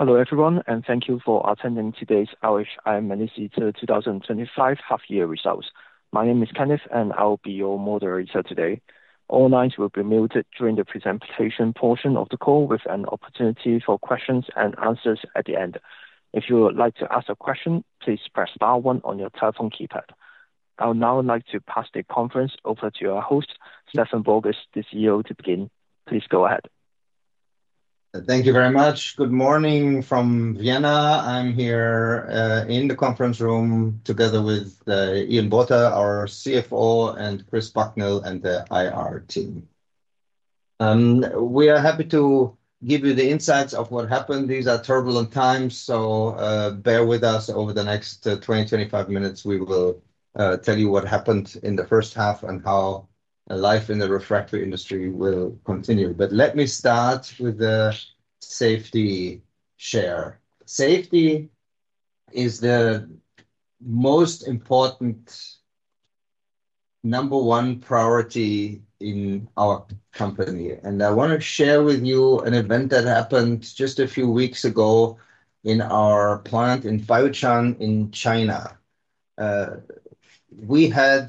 Hello everyone, and thank you for attending today's RHI Magnesita N.V. 2025 half-year results. My name is Kenneth, and I'll be your moderator today. All lines will be muted during the presentation portion of the call, with an opportunity for questions and answers at the end. If you would like to ask a question, please press *1 on your telephone keypad. I would now like to pass the conference over to our host, Stefan Borgas, to begin. Please go ahead. Thank you very much. Good morning from Vienna. I’m here in the conference room together with Ian Botha, our CFO, and Chris Buchnell and the IR team. We’re happy to give you insights into what happened. These are turbulent times, so bear with us over the next 20 to 25 minutes. We’ll tell you what happened in the first half and how life in the refractory industry will continue. Let me start with the safety share. Safety is our number one priority, and I want to share with you an event that happened just a few weeks ago in our plant in Fei Yue Qian, China. Two years ago, we had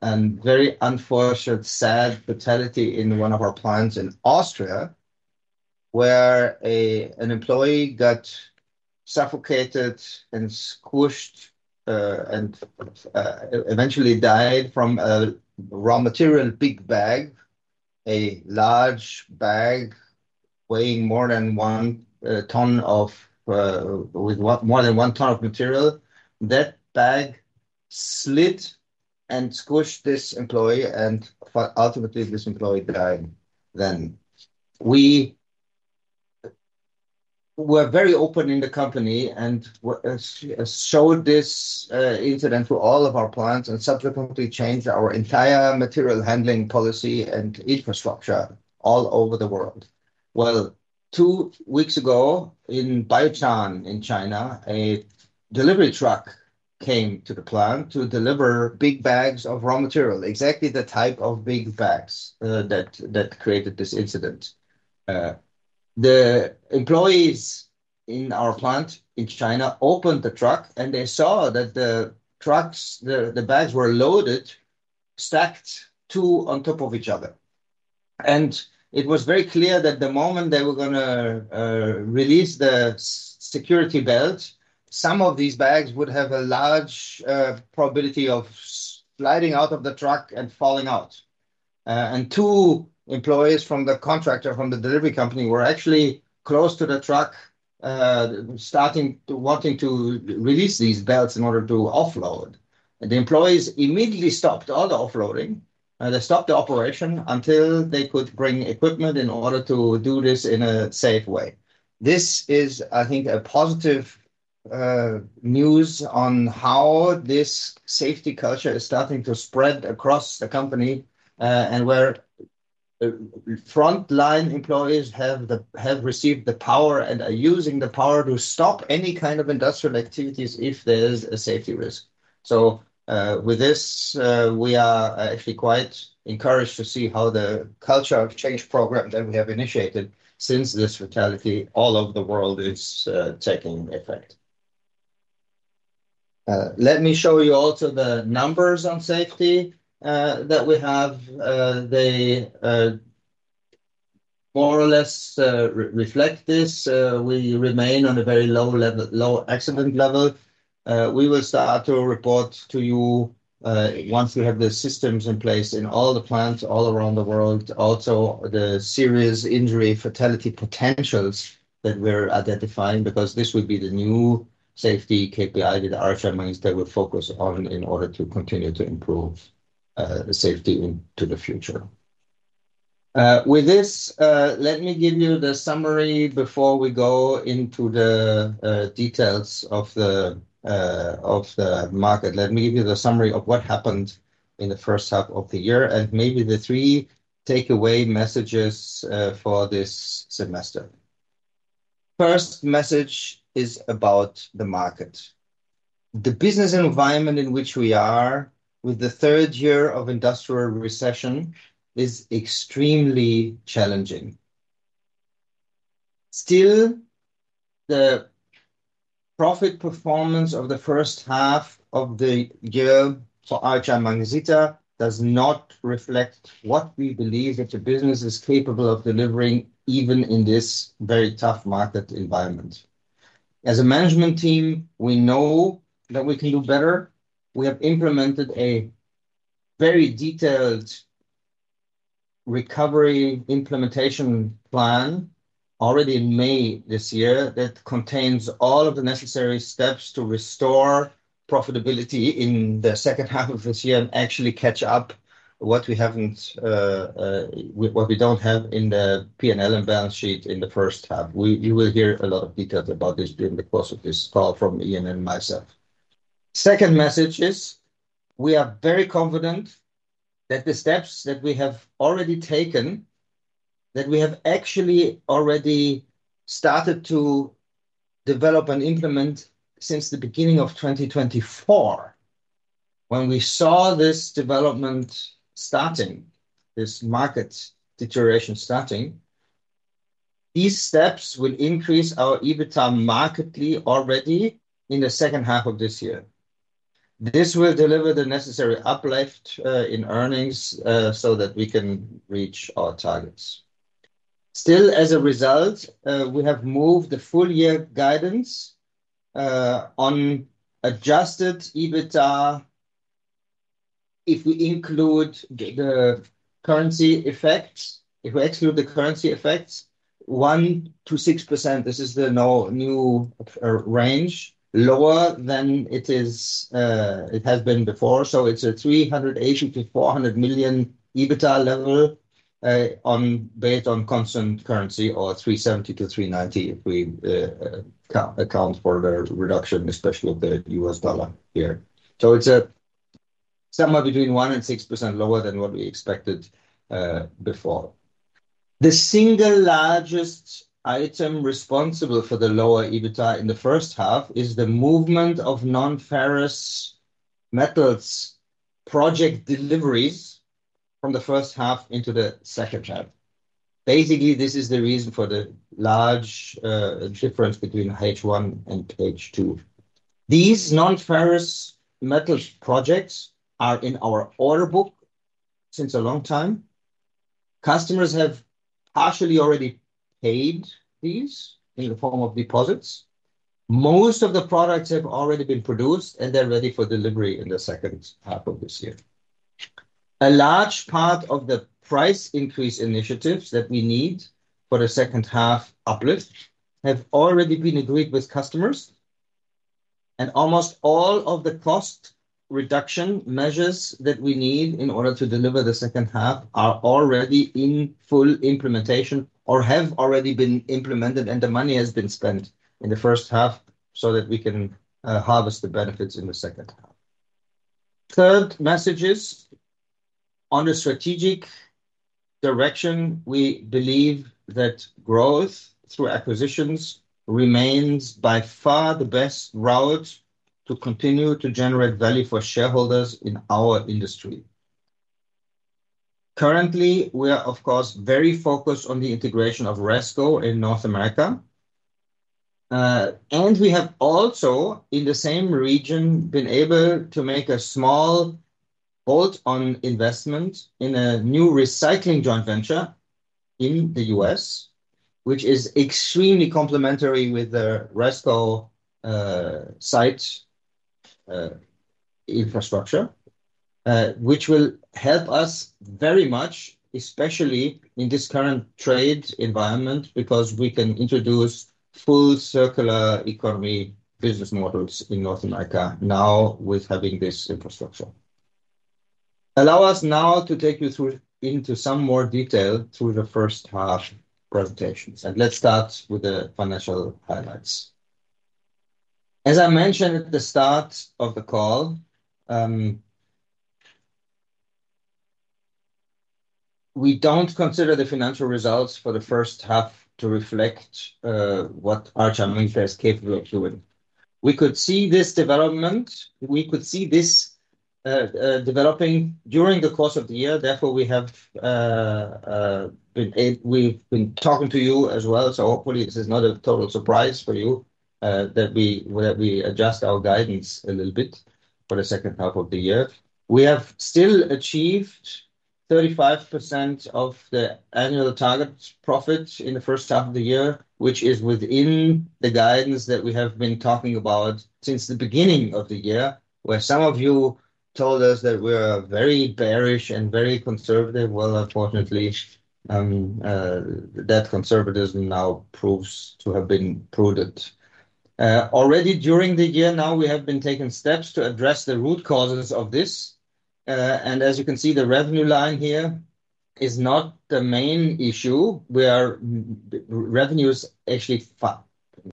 a very unfortunate and sad fatality in one of our plants in Austria, where an employee was suffocated and crushed by a large raw material bag weighing more than one ton. That bag slid and squashed the employee, who later died. We were very open about this incident within the company, showed it to all our plants, and subsequently changed our entire material handling policy and infrastructure worldwide. Two weeks ago, in Fei Yue Qian, China, a delivery truck came to the plant to deliver big bags of raw material exactly the type that caused the previous incident. The employees at our plant in China opened the truck and saw that the bags were stacked two on top of each other. It was very clear that the moment they released the security belt, some of these bags could slide out of the truck and fall. Two employees from the delivery contractor were close to the truck, ready to release the belts to offload. Our employees immediately stopped the offloading and halted the operation until they could bring in equipment to do it safely. This is positive news showing how our safety culture is spreading across the company, where frontline employees now have the authority and the confidence to stop any industrial activity if there’s a safety risk With this, we are actually quite encouraged to see how the culture change program that we have initiated since this fatality all over the world is taking effect. Let me show you also the numbers on safety that we have. They more or less reflect this. We remain on a very low level, low accident level. We will start to report to you once we have the systems in place in all the plants all around the world. Also, the serious injury fatality potentials that we're identifying, because this would be the new safety KPI that RHI Magnesita would focus on in order to continue to improve the safety into the future. With this, let me give you the summary before we go into the details of the market. Let me give you the summary of what happened in the first half of the year and maybe the three takeaway messages for this semester. First message is about the market. The business environment in which we are with the third year of industrial recession is extremely challenging. Still, the profit performance of the first half of the year for RHI Magnesita does not reflect what we believe that the business is capable of delivering even in this very tough market environment. As a management team, we know that we can do better. We have implemented a very detailed recovery implementation plan already in May this year that contains all of the necessary steps to restore profitability in the second half of this year and actually catch up what we haven't, what we don't have in the P&L and balance sheet in the first half. You will hear a lot of details about this during the course of this call from Ian and myself. Second message is we are very confident that the steps that we have already taken, that we have actually already started to develop and implement since the beginning of 2024. When we saw this development starting, this market deterioration starting, these steps will increase our EBITDA markedly already in the second half of this year. This will deliver the necessary uplift in earnings so that we can reach our targets. Still, as a result, we have moved the full year guidance on adjusted EBITDA if we include the currency effects. If we exclude the currency effects, 1% to 6%, this is the new range, lower than it has been before. So it's a $380 million to $400 million EBITDA level based on constant currency or $370 million to $390 million if we account for the reduction, especially of the U.S. dollar here. It's somewhere between 1% and 6% lower than what we expected before. The single largest item responsible for the lower EBITDA in the first half is the movement of non-ferrous metals project deliveries from the first half into the second half. Basically, this is the reason for the large difference between H1 and H2. These non-ferrous metals projects are in our order book since a long time. Customers have partially already paid these in the form of deposits. Most of the products have already been produced and they're ready for delivery in the second half of this year. A large part of the price increase initiatives that we need for the second half uplift have already been agreed with customers, and almost all of the cost reduction measures that we need in order to deliver the second half are already in full implementation or have already been implemented, and the money has been spent in the first half so that we can harvest the benefits in the second half. The third message is on the strategic direction. We believe that growth through acquisitions remains by far the best route to continue to generate value for shareholders in our industry. Currently, we are, of course, very focused on the integration of Resco in North America, and we have also in the same region been able to make a small hold on investment in a new recycling joint venture in the U.S., which is extremely complementary with the Resco site infrastructure, which will help us very much, especially in this current trade environment, because we can introduce full circular economy business models in North America now with having this infrastructure. Allow us now to take you through into some more detail through the first half presentations, and let's start with the financial highlights. As I mentioned at the start of the call, we don't consider the financial results for the first half to reflect what RHI Magnesita N.V. is capable of doing. We could see this development. We could see this developing during the course of the year. Therefore, we have been talking to you as well, so hopefully this is not a total surprise for you that we adjust our guidance a little bit for the second half of the year. We have still achieved 35% of the annual target profits in the first half of the year, which is within the guidance that we have been talking about since the beginning of the year, where some of you told us that we are very bearish and very conservative. Unfortunately, that conservatism now proves to have been prudent. Already during the year now, we have been taking steps to address the root causes of this, and as you can see, the revenue line here is not the main issue. Revenue is actually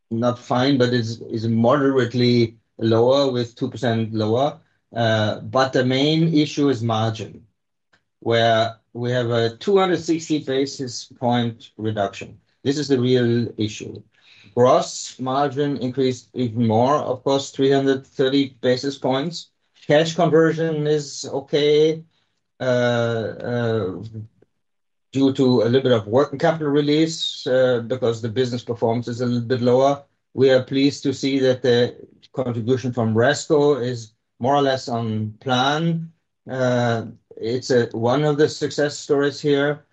not fine, but it is moderately lower, with 2% lower. The main issue is margin, where we have a 260 basis point reduction. This is the real issue. Gross margin increased even more, of course, 330 basis points. Cash conversion is okay due to a little bit of working capital release because the business performance is a little bit lower. We are pleased to see that the contribution from Resco is more or less on plan. It's one of the success stories here.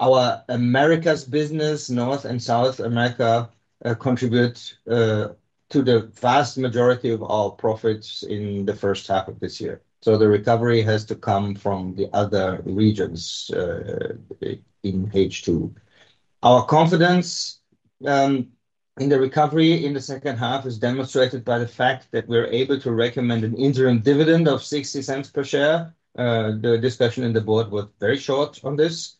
Our Americas business, North and South America, contributes to the vast majority of our profits in the first half of this year. The recovery has to come from the other regions in H2. Our confidence in the recovery in the second half is demonstrated by the fact that we're able to recommend an interim dividend of $0.60 per share. The discussion in the board was very short on this,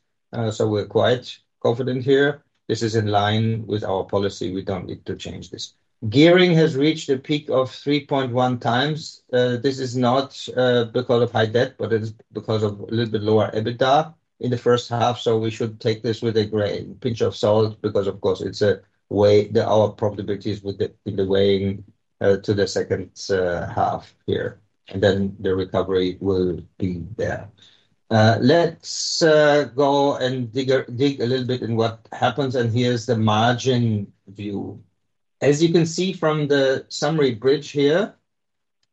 so we're quite confident here. This is in line with our policy. We don't need to change this. Gearing has reached a peak of 3.1 times. This is not because of high debt, but it's because of a little bit lower EBITDA in the first half. We should take this with a grain pinch of salt because, of course, it's a way that our probabilities with the weighing to the second half here, and then the recovery will be there. Let's go and dig a little bit in what happens, and here's the margin view. As you can see from the summary bridge here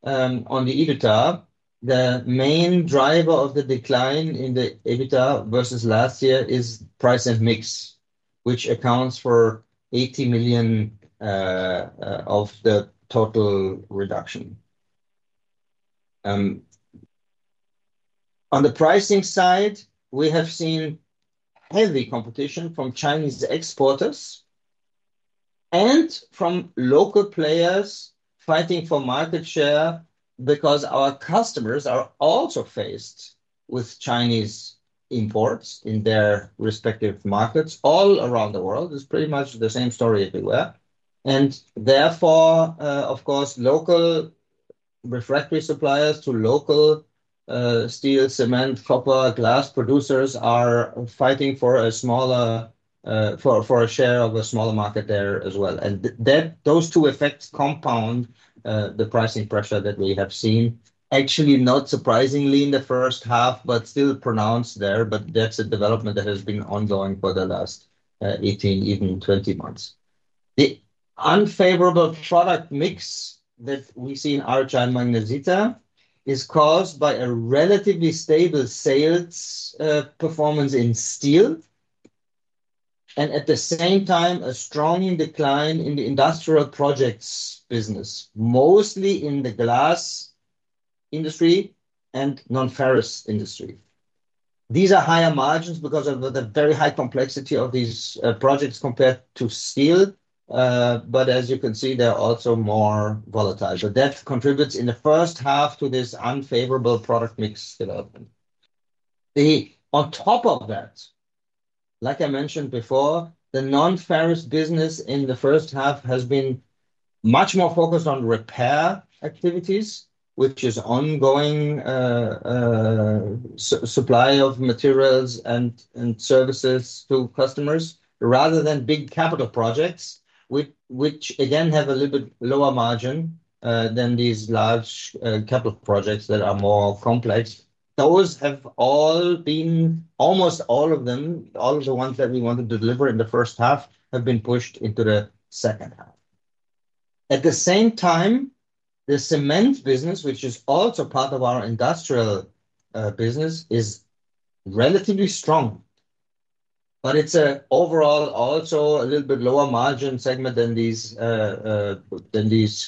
on the EBITDA, the main driver of the decline in the EBITDA versus last year is price and mix, which accounts for $80 million of the total reduction. On the pricing side, we have seen heavy competition from Chinese exporters and from local players fighting for market share because our customers are also faced with Chinese imports in their respective markets all around the world. It's pretty much the same story everywhere. Therefore, of course, local refractory suppliers to local steel, cement, copper, glass producers are fighting for a share of a smaller market there as well. Those two effects compound the pricing pressure that we have seen, actually not surprisingly in the first half, but still pronounced there. That's a development that has been ongoing for the last 18, even 20 months. The unfavorable product mix that we see in RHI Magnesita N.V. is caused by a relatively stable sales performance in steel, and at the same time, a strong decline in the industrial projects business, mostly in the glass industry and non-ferrous industry. These are higher margins because of the very high complexity of these projects compared to steel. As you can see, they're also more volatile. That contributes in the first half to this unfavorable product mix development. On top of that, like I mentioned before, the non-ferrous business in the first half has been much more focused on repair activities, which is ongoing supply of materials and services to customers, rather than big capital projects, which again have a little bit lower margin than these large capital projects that are more complex. Those have all been, almost all of them, all of the ones that we wanted to deliver in the first half have been pushed into the second half. At the same time, the cement business, which is also part of our industrial business, is relatively strong, but it's overall also a little bit lower margin segment than these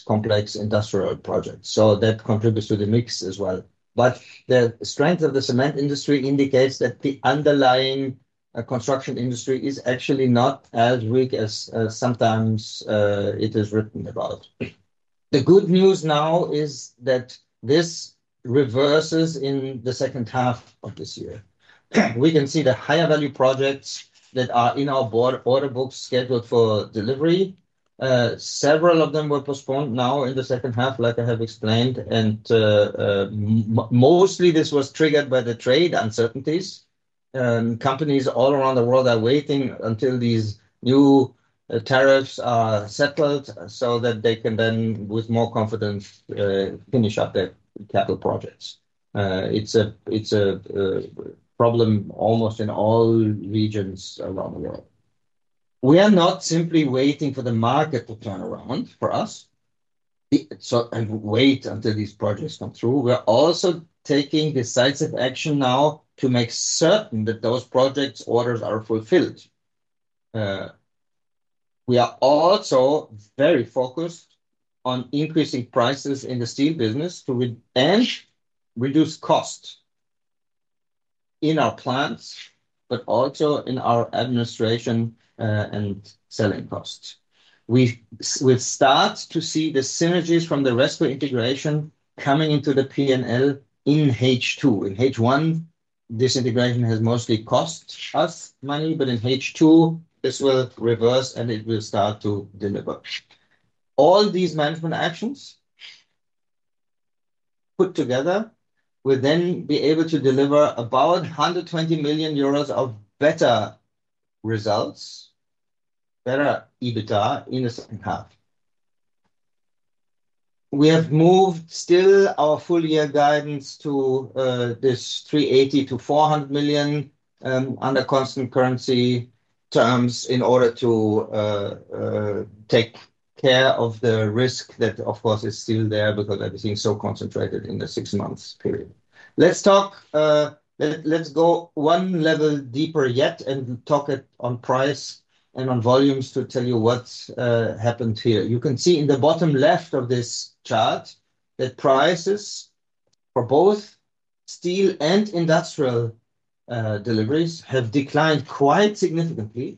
complex industrial projects. That contributes to the mix as well. The strength of the cement industry indicates that the underlying construction industry is actually not as weak as sometimes it is written about. The good news now is that this reverses in the second half of this year. We can see the higher value projects that are in our order books scheduled for delivery. Several of them were postponed now in the second half, like I have explained. Mostly this was triggered by the trade uncertainties. Companies all around the world are waiting until these new tariffs are settled so that they can then, with more confidence, finish up their capital projects. It's a problem almost in all regions around the world. We are not simply waiting for the market to turn around for us and wait until these projects come through. We are also taking decisive action now to make certain that those projects' orders are fulfilled. We are also very focused on increasing prices in the steel business to reduce costs in our plants, but also in our administration and selling costs. We will start to see the synergies from the Resco integration coming into the P&L in H2. In H1, this integration has mostly cost us money, but in H2, this will reverse and it will start to deliver. All these management actions put together, we'll then be able to deliver about €120 million of better results, better EBITDA in the second half. We have moved still our full year guidance to this €380 to €400 million under constant currency terms in order to take care of the risk that, of course, is still there because everything is so concentrated in the six months period. Let's go one level deeper yet and talk it on price and on volumes to tell you what's happened here. You can see in the bottom left of this chart that prices for both steel and industrial deliveries have declined quite significantly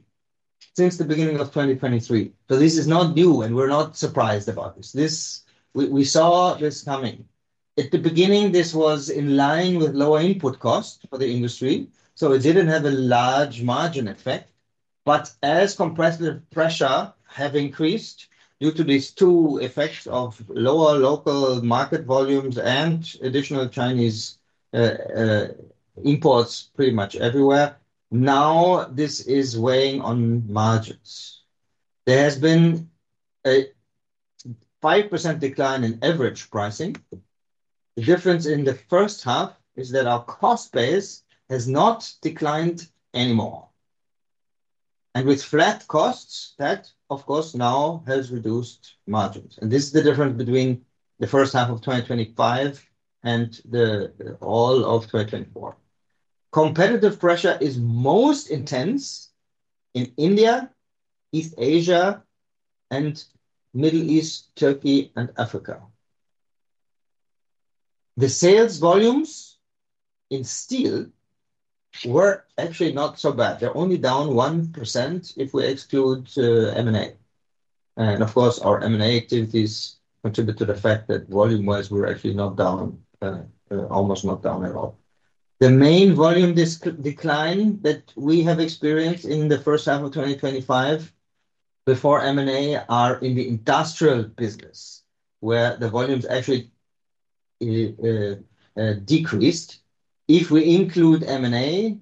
since the beginning of 2023. This is not new and we're not surprised about this. We saw this coming. At the beginning, this was in line with lower input cost for the industry, so it didn't have a large margin effect. As compressive pressure has increased due to these two effects of lower local market volumes and additional Chinese imports pretty much everywhere, now this is weighing on margins. There has been a 5% decline in average pricing. The difference in the first half is that our cost base has not declined anymore. With flat costs, that, of course, now has reduced margins. This is the difference between the first half of 2025 and all of 2024. Competitive pressure is most intense in India, East Asia, and META. The sales volumes in steel were actually not so bad. They're only down 1% if we exclude M&A. Our M&A activities contribute to the fact that volume-wise we're actually not down, almost not down at all. The main volume decline that we have experienced in the first half of 2025 before M&A are in the industrial business, where the volumes actually decreased. If we include M&A,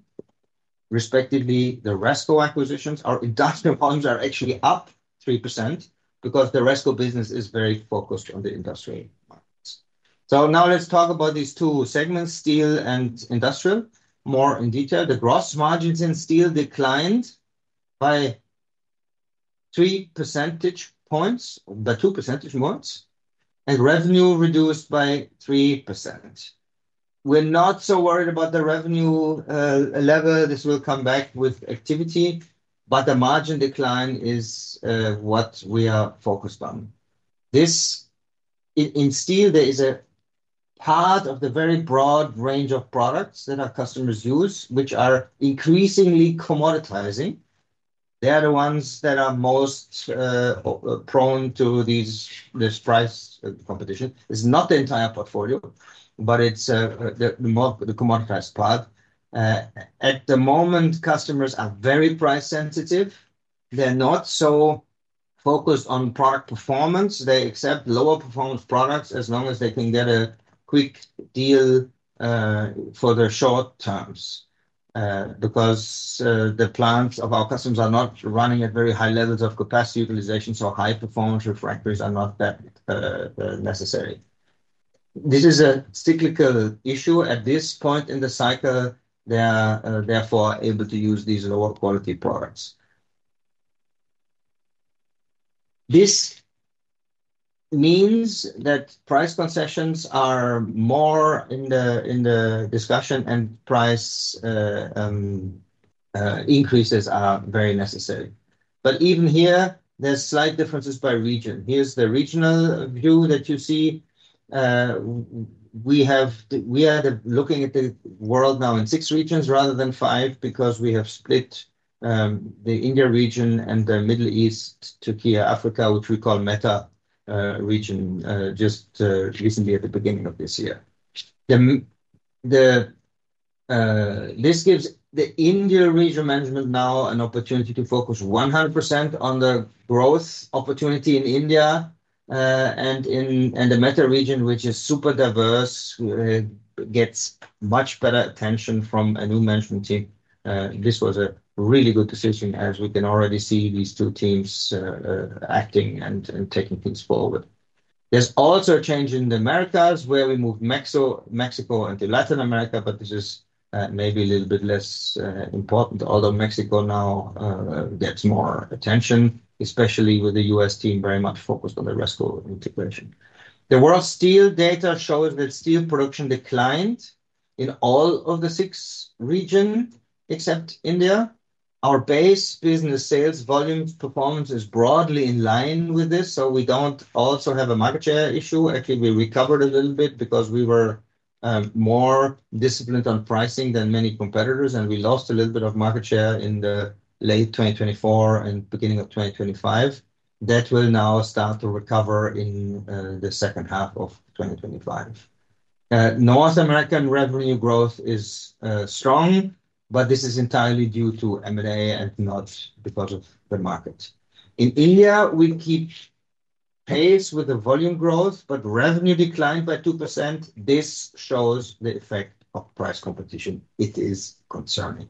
respectively, the Resco acquisitions, our industrial volumes are actually up 3% because the Resco business is very focused on the industrial markets. Now let's talk about these two segments, steel and industrial, more in detail. The gross margins in steel declined by three percentage points, by two percentage points, and revenue reduced by 3%. We're not so worried about the revenue level. This will come back with activity, but the margin decline is what we are focused on. In steel, there is a part of the very broad range of products that our customers use, which are increasingly commoditizing. They are the ones that are most prone to this price competition. It's not the entire portfolio, but it's the commoditized part. At the moment, customers are very price sensitive. They're not so focused on product performance. They accept lower performance products as long as they can get a quick deal for the short terms because the plants of our customers are not running at very high levels of capacity utilization, so high performance refractories are not that necessary. This is a cyclical issue. At this point in the cycle, they are therefore able to use these lower quality products. This means that price concessions are more in the discussion and price increases are very necessary. Even here, there are slight differences by region. Here's the regional view that you see. We are looking at the world now in six regions rather than five because we have split the India region and the Middle East, Turkey, Africa, which we call META region, just recently at the beginning of this year. This gives the India region management now an opportunity to focus 100% on the growth opportunity in India and in the META region, which is super diverse, gets much better attention from a new management team. This was a really good decision as we can already see these two teams acting and taking things forward. There's also a change in the Americas where we moved Mexico into Latin America, but this is maybe a little bit less important, although Mexico now gets more attention, especially with the U.S. team very much focused on the Resco integration. The world steel data shows that steel production declined in all of the six regions except India. Our base business sales volume performance is broadly in line with this, so we don't also have a market share issue. Actually, we recovered a little bit because we were more disciplined on pricing than many competitors, and we lost a little bit of market share in late 2024 and beginning of 2025. That will now start to recover in the second half of 2025. North American revenue growth is strong, but this is entirely due to M&A and not because of the market. In India, we keep pace with the volume growth, but revenue declined by 2%. This shows the effect of price competition. It is concerning.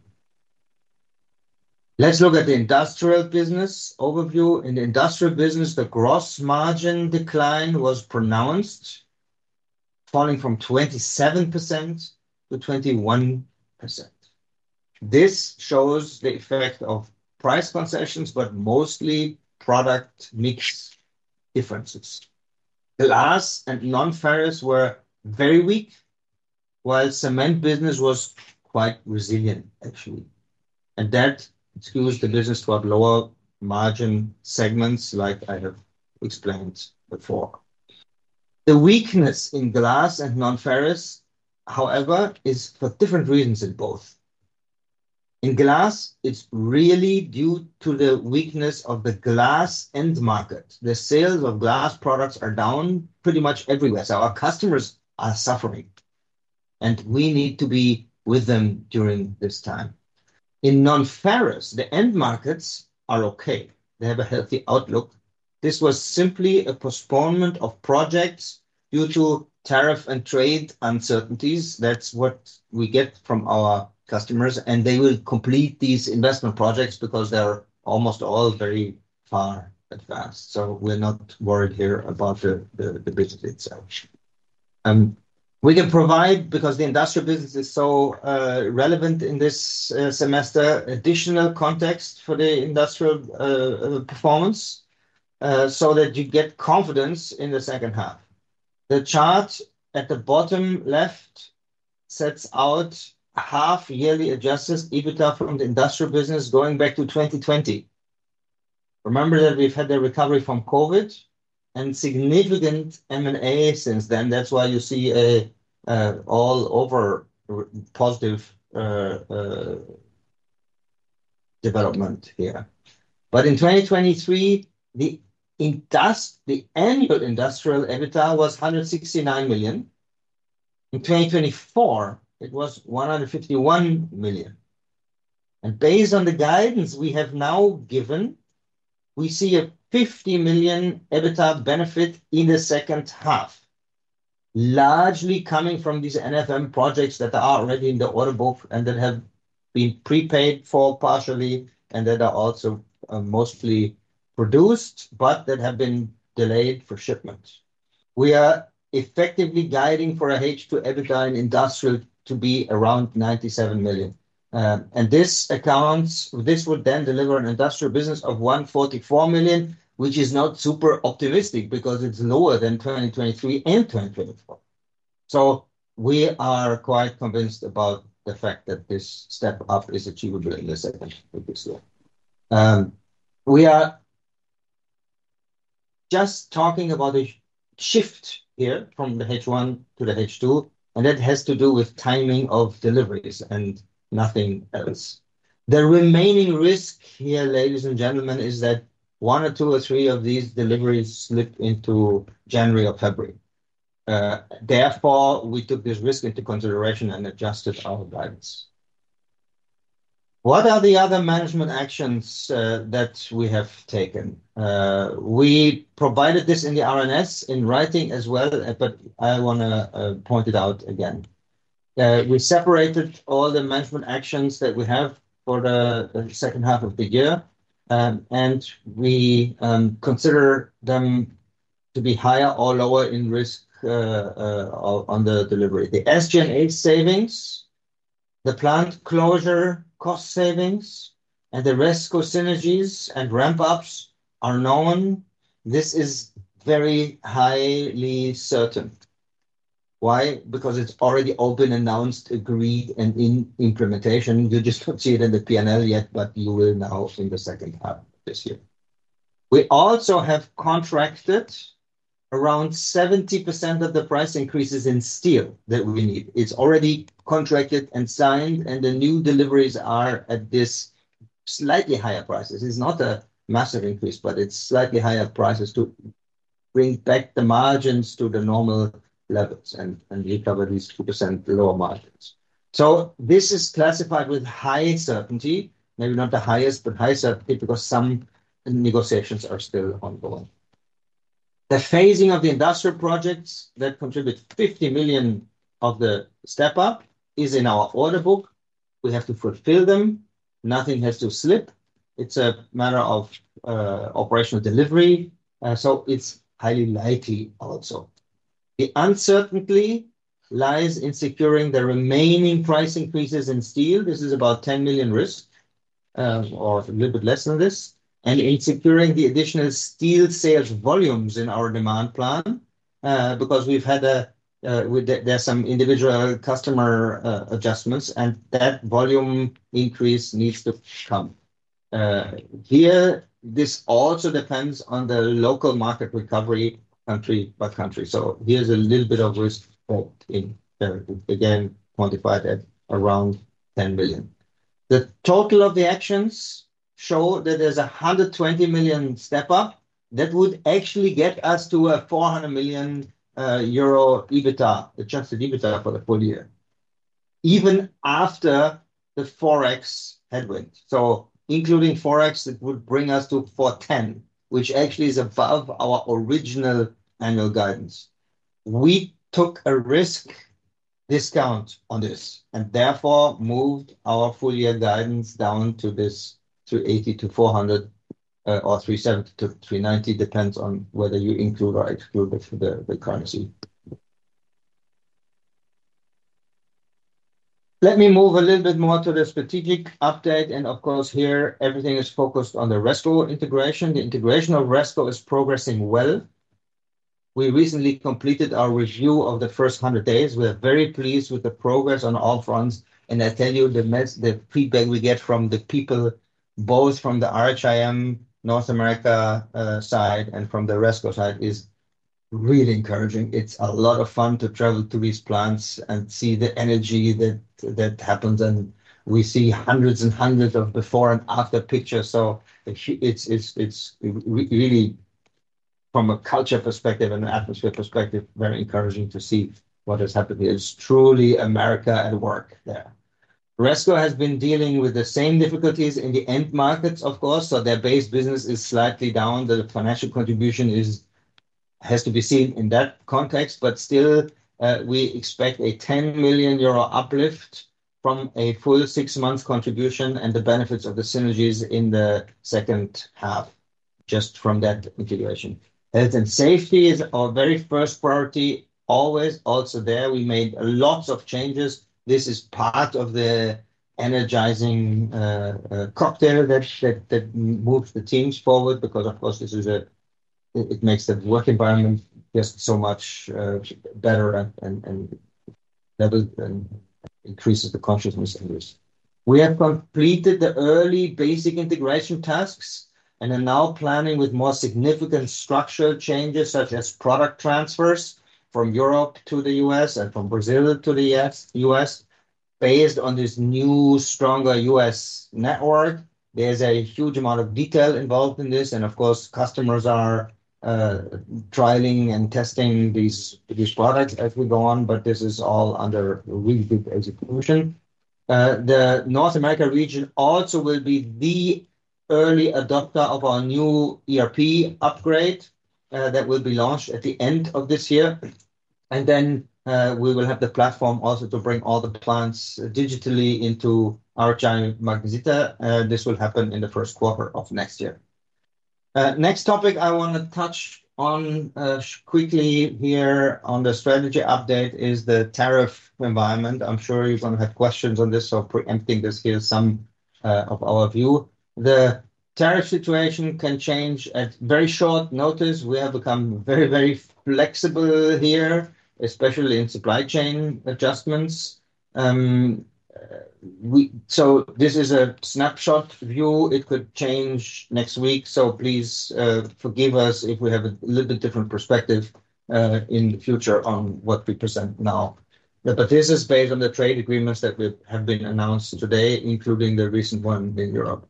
Let's look at the industrial business overview. In the industrial business, the gross margin decline was pronounced, falling from 27% to 21%. This shows the effect of price concessions, but mostly product mix differences. Glass and non-ferrous were very weak, while cement business was quite resilient, actually. That excused the business for lower margin segments, like I have explained before. The weakness in glass and non-ferrous, however, is for different reasons in both. In glass, it's really due to the weakness of the glass end market. The sales of glass products are down pretty much everywhere, so our customers are suffering, and we need to be with them during this time. In non-ferrous, the end markets are okay. They have a healthy outlook. This was simply a postponement of projects due to tariff and trade uncertainties. That's what we get from our customers, and they will complete these investment projects because they're almost all very far advanced. We're not worried here about the business itself. We can provide, because the industrial business is so relevant in this semester, additional context for the industrial performance so that you get confidence in the second half. The chart at the bottom left sets out half yearly adjusted EBITDA from the industrial business going back to 2020. Remember that we've had the recovery from COVID and significant M&A since then. That's why you see an all over positive development here. In 2023, the end industrial EBITDA was $169 million. In 2024, it was $151 million. Based on the guidance we have now given, we see a $50 million EBITDA benefit in the second half, largely coming from these NFM projects that are already in the order book and that have been prepaid for partially and that are also mostly produced, but that have been delayed for shipment. We are effectively guiding for a H2 EBITDA in industrial to be around $97 million. This would then deliver an industrial business of $144 million, which is not super optimistic because it's lower than 2023 and 2024. We are quite convinced about the fact that this step up is achievable in the second half of this year. We are just talking about a shift here from the H1 to the H2, and that has to do with timing of deliveries and nothing else. The remaining risk here, ladies and gentlemen, is that one or two or three of these deliveries slip into January or February. Therefore, we took this risk into consideration and adjusted our guidance. What are the other management actions that we have taken? We provided this in the RNS in writing as well, but I want to point it out again. We separated all the management actions that we have for the second half of the year, and we consider them to be higher or lower in risk on the delivery. The SG&A savings, the plant closure cost savings, and the Resco synergies and ramp-ups are known. This is very highly certain. Why? Because it's already all been announced, agreed, and in implementation. You just won't see it in the P&L yet, but you will now in the second half of this year. We also have contracted around 70% of the price increases in steel that we need. It's already contracted and signed, and the new deliveries are at this slightly higher price. It's not a massive increase, but it's slightly higher prices to bring back the margins to the normal levels and recover these 2% lower margins. This is classified with high certainty, maybe not the highest, but high certainty because some negotiations are still ongoing. The phasing of the industrial projects that contribute $50 million of the step up is in our order book. We have to fulfill them. Nothing has to slip. It's a matter of operational delivery, so it's highly likely also. The uncertainty lies in securing the remaining price increases in steel. This is about $10 million risk or a little bit less than this, and in securing the additional steel sales volumes in our demand plan because we've had some individual customer adjustments, and that volume increase needs to come. Here, this also depends on the local market recovery, country by country. There's a little bit of risk, again, quantified at around $10 million. The total of the actions show that there's a $120 million step up that would actually get us to a $400 million adjusted EBITDA for the full year, even after the Forex headwind. Including Forex, it would bring us to $410 million, which actually is above our original annual guidance. We took a risk discount on this and therefore moved our full year guidance down to this $380 million to $400 million or $370 million to $390 million, depends on whether you include or exclude the currency. Let me move a little bit more to the strategic update, and of course, here everything is focused on the Resco integration. The integration of Resco is progressing well. We recently completed our review of the first 100 days. We are very pleased with the progress on all fronts, and I tell you the feedback we get from the people, both from the RHI Magnesita North America side and from the Resco side, is really encouraging. It's a lot of fun to travel to these plants and see the energy that happens, and we see hundreds and hundreds of before and after pictures. From a culture perspective and an atmosphere perspective, it's very encouraging to see what has happened here. It's truly America at work there. Resco has been dealing with the same difficulties in the end markets, of course, so their base business is slightly down. The financial contribution has to be seen in that context, but still we expect a €10 million uplift from a full six months contribution and the benefits of the synergies in the second half, just from that integration. Health and safety is our very first priority, always also there. We made lots of changes. This is part of the energizing cocktail that moves the teams forward because, of course, this is a, it makes the work environment just so much better and increases the consciousness in this. We have completed the early basic integration tasks and are now planning with more significant structural changes such as product transfers from Europe to the U.S. and from Brazil to the U.S. Based on this new, stronger U.S. network, there's a huge amount of detail involved in this, and of course, customers are trialing and testing these products as we go on, but this is all under really good execution. The North America region also will be the early adopter of our new ERP upgrade that will be launched at the end of this year, and then we will have the platform also to bring all the plants digitally into RHI Magnesita. This will happen in the first quarter of next year. Next topic I want to touch on quickly here on the strategy update is the tariff environment. I'm sure you're going to have questions on this, so preempting this here, some of our view. The tariff situation can change at very short notice. We have become very, very flexible here, especially in supply chain adjustments. This is a snapshot view. It could change next week, so please forgive us if we have a little bit different perspective in the future on what we present now. This is based on the trade agreements that have been announced today, including the recent one in Europe.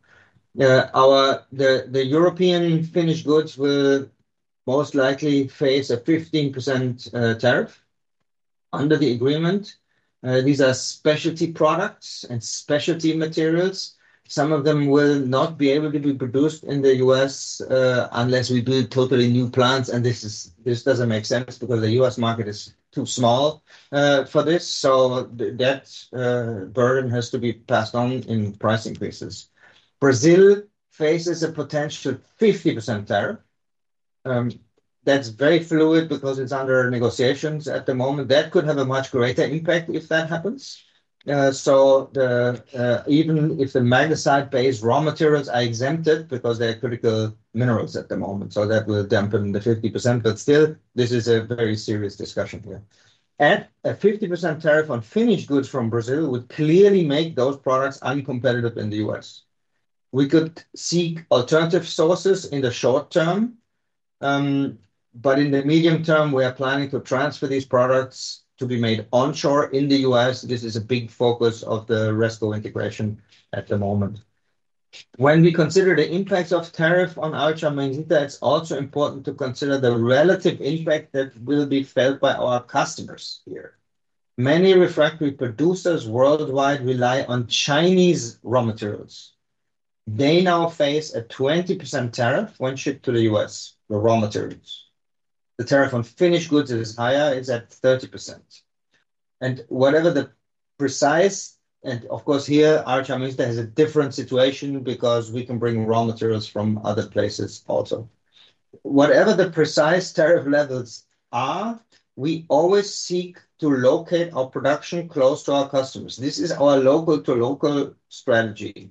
The European finished goods will most likely face a 15% tariff under the agreement. These are specialty products and specialty materials. Some of them will not be able to be produced in the U.S. unless we build totally new plants, and this doesn't make sense because the U.S. market is too small for this. That burden has to be passed on in price increases. Brazil faces a potential 50% tariff. That's very fluid because it's under negotiations at the moment. That could have a much greater impact if that happens. Even if the manganese-based raw materials are exempted because they're critical minerals at the moment, that will dampen the 50%. Still, this is a very serious discussion here. Add a 50% tariff on finished goods from Brazil would clearly make those products uncompetitive in the U.S. We could seek alternative sources in the short term, but in the medium term, we are planning to transfer these products to be made onshore in the U.S. This is a big focus of the Resco integration at the moment. When we consider the impacts of tariff on RHI Magnesita N.V., it's also important to consider the relative impact that will be felt by our customers here. Many refractory producers worldwide rely on Chinese raw materials. They now face a 20% tariff when shipped to the U.S., the raw materials. The tariff on finished goods that is higher is at 30%. Whatever the precise, and of course here RHI Magnesita N.V. has a different situation because we can bring raw materials from other places also. Whatever the precise tariff levels are, we always seek to locate our production close to our customers. This is our local to local strategy.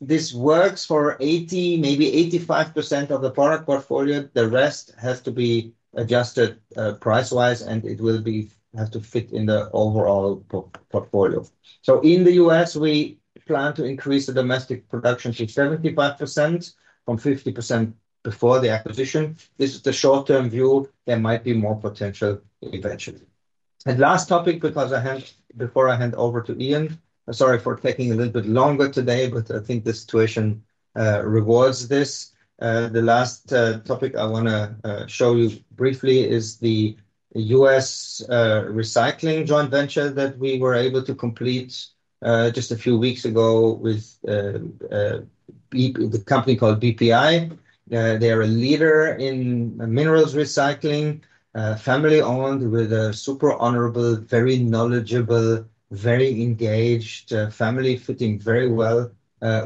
This works for 80, maybe 85% of the product portfolio. The rest has to be adjusted price-wise, and it will have to fit in the overall portfolio. In the U.S., we plan to increase the domestic production ship 75% on 50% before the acquisition. This is the short-term view. There might be more potential eventually. Last topic, before I hand over to Ian, sorry for taking a little bit longer today, but I think the situation rewards this. The last topic I want to show you briefly is the U.S. recycling joint venture that we were able to complete just a few weeks ago with a company called BPI. They are a leader in minerals recycling, family-owned with a super honorable, very knowledgeable, very engaged family fitting very well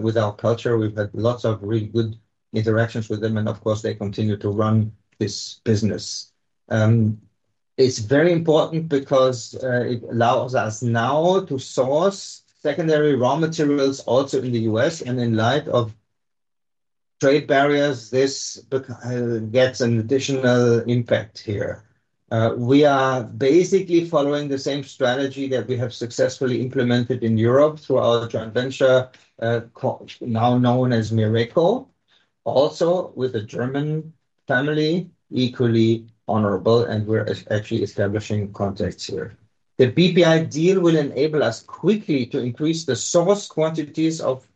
with our culture. We've had lots of really good interactions with them, and of course they continue to run this business. It's very important because it allows us now to source secondary raw materials also in the U.S. In light of trade barriers, this gets an additional impact here. We are basically following the same strategy that we have successfully implemented in Europe through our joint venture, now known as Miraco, also with a German family, equally honorable, and we're actually establishing contacts here. The BPI deal will enable us quickly to increase the source quantities of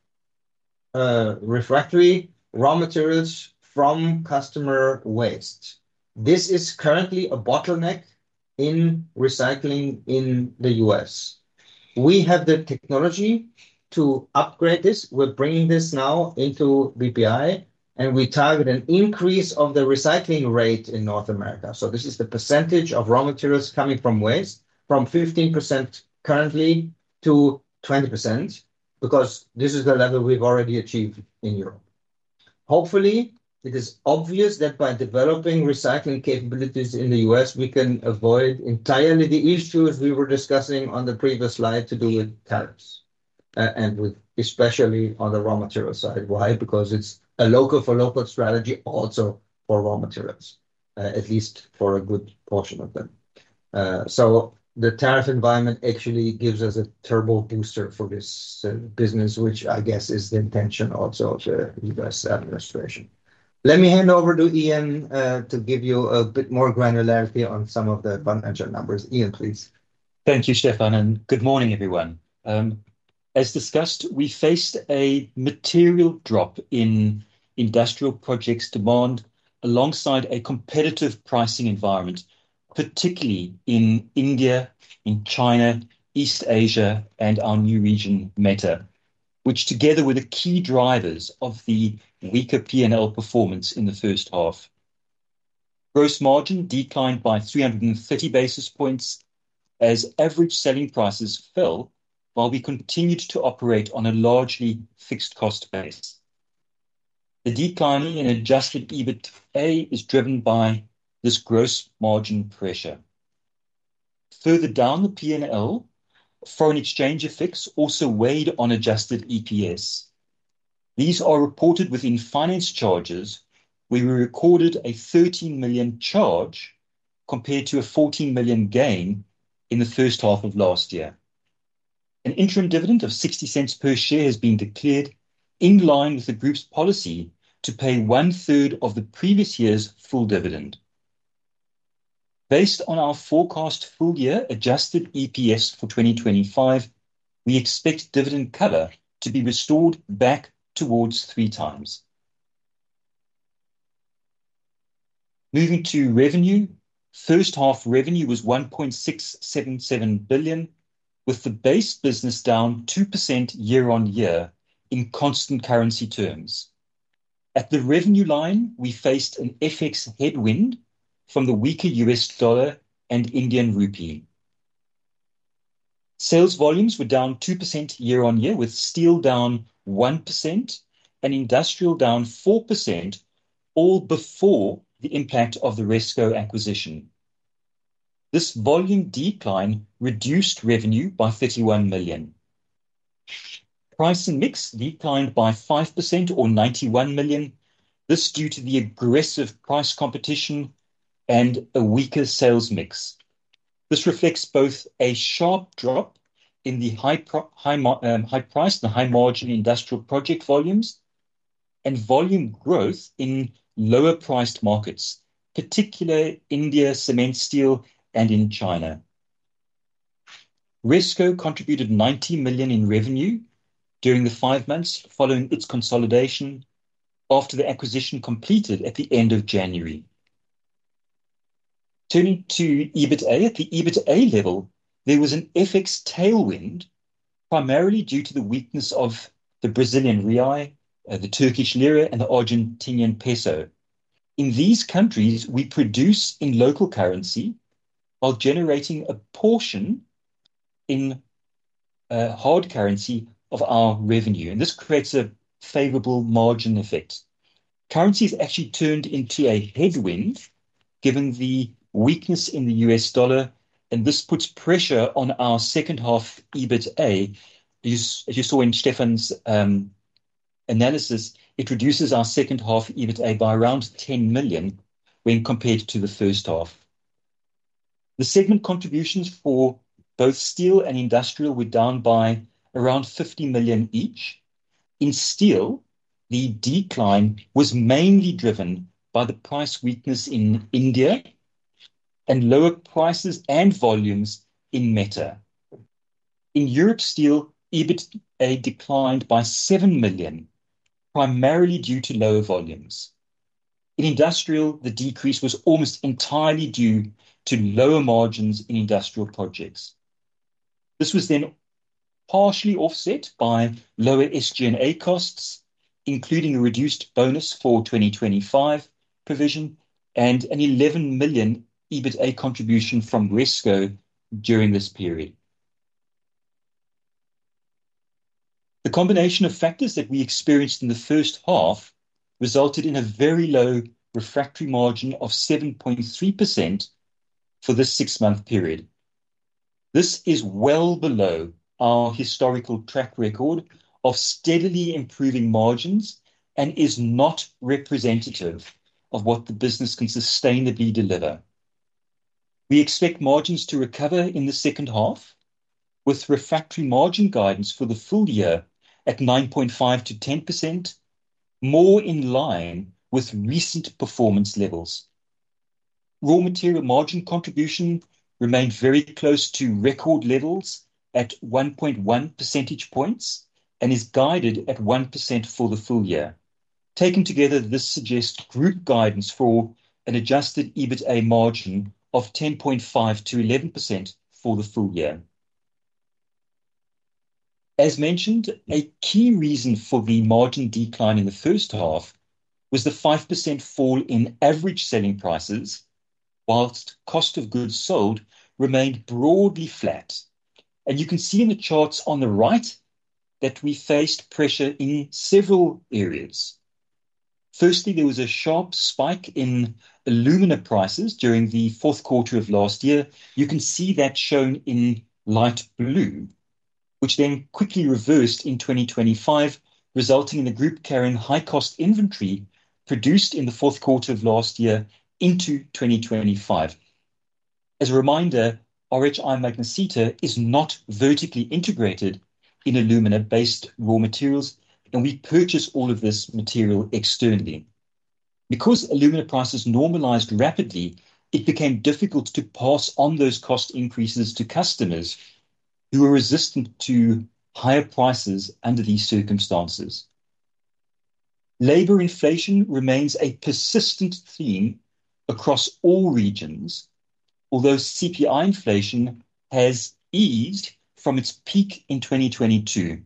refractory raw materials from customer waste. This is currently a bottleneck in recycling in the U.S. We have the technology to upgrade this. We're bringing this now into BPI, and we target an increase of the recycling rate in North America. This is the percentage of raw materials coming from waste from 15% currently to 20% because this is the level we've already achieved in Europe. Hopefully, it is obvious that by developing recycling capabilities in the U.S., we can avoid entirely the issues we were discussing on the previous slide to do with tariffs, and especially on the raw material side. Why? Because it's a local for local strategy also for raw materials, at least for a good portion of them. The tariff environment actually gives us a turbo booster for this business, which I guess is the intention also of the U.S. administration. Let me hand over to Ian to give you a bit more granularity on some of the fundamental numbers. Ian, please. Thank you, Stefan, and good morning, everyone. As discussed, we faced a material drop in industrial projects' demand alongside a competitive pricing environment, particularly in India, in China, East Asia, and our new region, META, which together were the key drivers of the weaker P&L performance in the first half. Gross margin declined by 330 basis points as average selling prices fell, while we continued to operate on a largely fixed cost base. The decline in adjusted EBITDA is driven by this gross margin pressure. Further down the P&L, foreign exchange effects also weighed on adjusted EPS. These are reported within finance charges, where we recorded a $13 million charge compared to a $14 million gain in the first half of last year. An interim dividend of $0.60 per share has been declared in line with the group's policy to pay one-third of the previous year's full dividend. Based on our forecast full year adjusted EPS for 2025, we expect dividend cover to be restored back towards three times. Moving to revenue, first half revenue was $1.677 billion, with the base business down 2% year on year in constant currency terms. At the revenue line, we faced an FX headwind from the weaker U.S. dollar and Indian rupee. Sales volumes were down 2% year on year, with steel down 1% and industrial down 4%, all before the impact of the Resco acquisition. This volume decline reduced revenue by $31 million. Price and mix declined by 5% or $91 million, this due to the aggressive price competition and a weaker sales mix. This reflects both a sharp drop in the high price and the high margin industrial project volumes and volume growth in lower priced markets, particularly India cement steel and in China. Resco contributed $90 million in revenue during the five months following its consolidation after the acquisition completed at the end of January. Turning to EBITDA, at the EBITDA level, there was an FX tailwind primarily due to the weakness of the Brazilian real, the Turkish lira, and the Argentinian peso. In these countries, we produce in local currency while generating a portion in hard currency of our revenue, and this creates a favorable margin effect. Currency has actually turned into a headwind given the weakness in the U.S. dollar, and this puts pressure on our second half EBITDA. As you saw in Stefan's analysis, it reduces our second half EBITDA by around $10 million when compared to the first half. The segment contributions for both steel and industrial were down by around $50 million each. In steel, the decline was mainly driven by the price weakness in India and lower prices and volumes in META in Europe. Steel EBITDA declined by $7 million, primarily due to lower volumes. In industrial, the decrease was almost entirely due to lower margins in industrial projects. This was then partially offset by lower SG&A costs, including a reduced bonus for 2025 provision and an $11 million EBITDA contribution from Resco during this period. The combination of factors that we experienced in the first half resulted in a very low refractory margin of 7.3% for this six-month period. This is well below our historical track record of steadily improving margins and is not representative of what the business can sustainably deliver. We expect margins to recover in the second half with refractory margin guidance for the full year at 9.5 to 10%, more in line with recent performance levels. Raw material margin contribution remains very close to record levels at 1.1 percentage points and is guided at 1% for the full year. Taken together, this suggests group guidance for an adjusted EBITDA margin of 10.5 to 11% for the full year. As mentioned, a key reason for the margin decline in the first half was the 5% fall in average selling prices, whilst cost of goods sold remained broadly flat. You can see in the charts on the right that we faced pressure in several areas. Firstly, there was a sharp spike in aluminum prices during the fourth quarter of last year. You can see that shown in light blue, which then quickly reversed in 2025, resulting in the group carrying high-cost inventory produced in the fourth quarter of last year into 2025. As a reminder, RHI Magnesita N.V. is not vertically integrated in aluminum-based raw materials, and we purchase all of this material externally. Because aluminum prices normalized rapidly, it became difficult to pass on those cost increases to customers who were resistant to higher prices under these circumstances. Labor inflation remains a persistent theme across all regions, although CPI inflation has eased from its peak in 2022.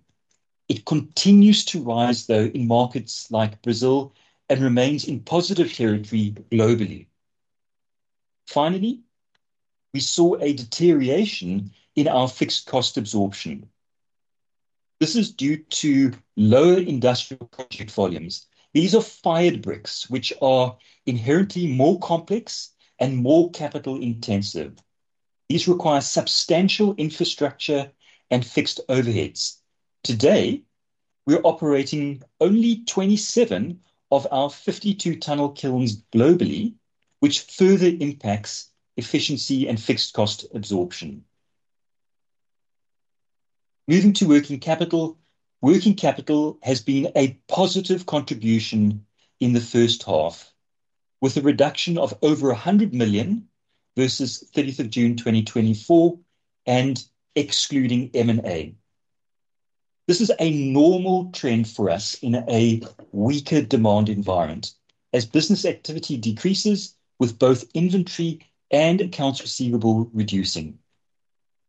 It continues to rise, though, in markets like Brazil and remains in positive territory globally. Finally, we saw a deterioration in our fixed cost absorption. This is due to lower industrial project volumes. These are fired bricks, which are inherently more complex and more capital intensive. These require substantial infrastructure and fixed overheads. Today, we're operating only 27 of our 52 tunnel kilns globally, which further impacts efficiency and fixed cost absorption. Moving to working capital, working capital has been a positive contribution in the first half, with a reduction of over $100 million versus 30th of June 2024 and excluding M&A. This is a normal trend for us in a weaker demand environment, as business activity decreases with both inventory and accounts receivable reducing.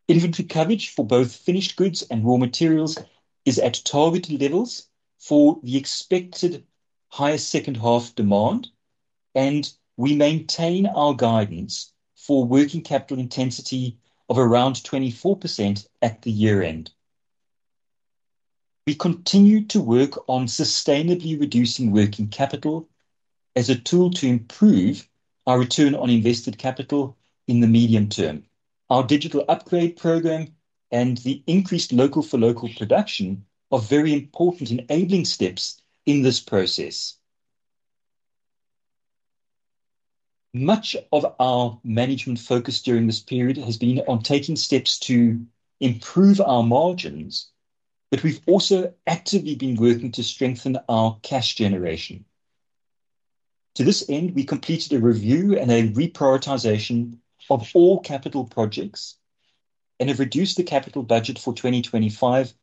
Inventory coverage for both finished goods and raw materials is at target levels for the expected higher second half demand, and we maintain our guidance for working capital intensity of around 24% at the year end. We continue to work on sustainably reducing working capital as a tool to improve our return on invested capital in the medium term. Our digital upgrade program and the increased local for local production are very important enabling steps in this process. Much of our management focus during this period has been on taking steps to improve our margins, but we've also actively been working to strengthen our cash generation. To this end, we completed a review and a reprioritization of all capital projects and have reduced the capital budget for 2025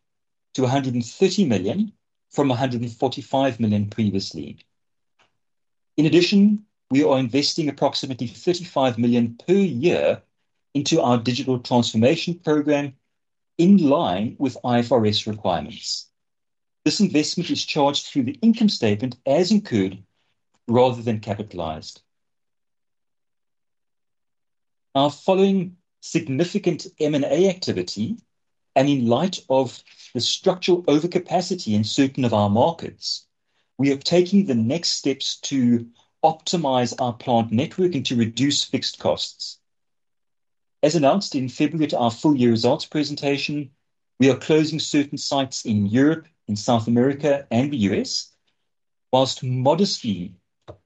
to $130 million from $145 million previously. In addition, we are investing approximately $35 million per year into our digital transformation program in line with IFRS requirements. This investment is charged through the income statement as incurred rather than capitalized. Following significant M&A activity, and in light of the structural overcapacity in certain of our markets, we are taking the next steps to optimize our plant network and to reduce fixed costs. As announced in February at our full year results presentation, we are closing certain sites in Europe, in South America, and the U.S., whilst modestly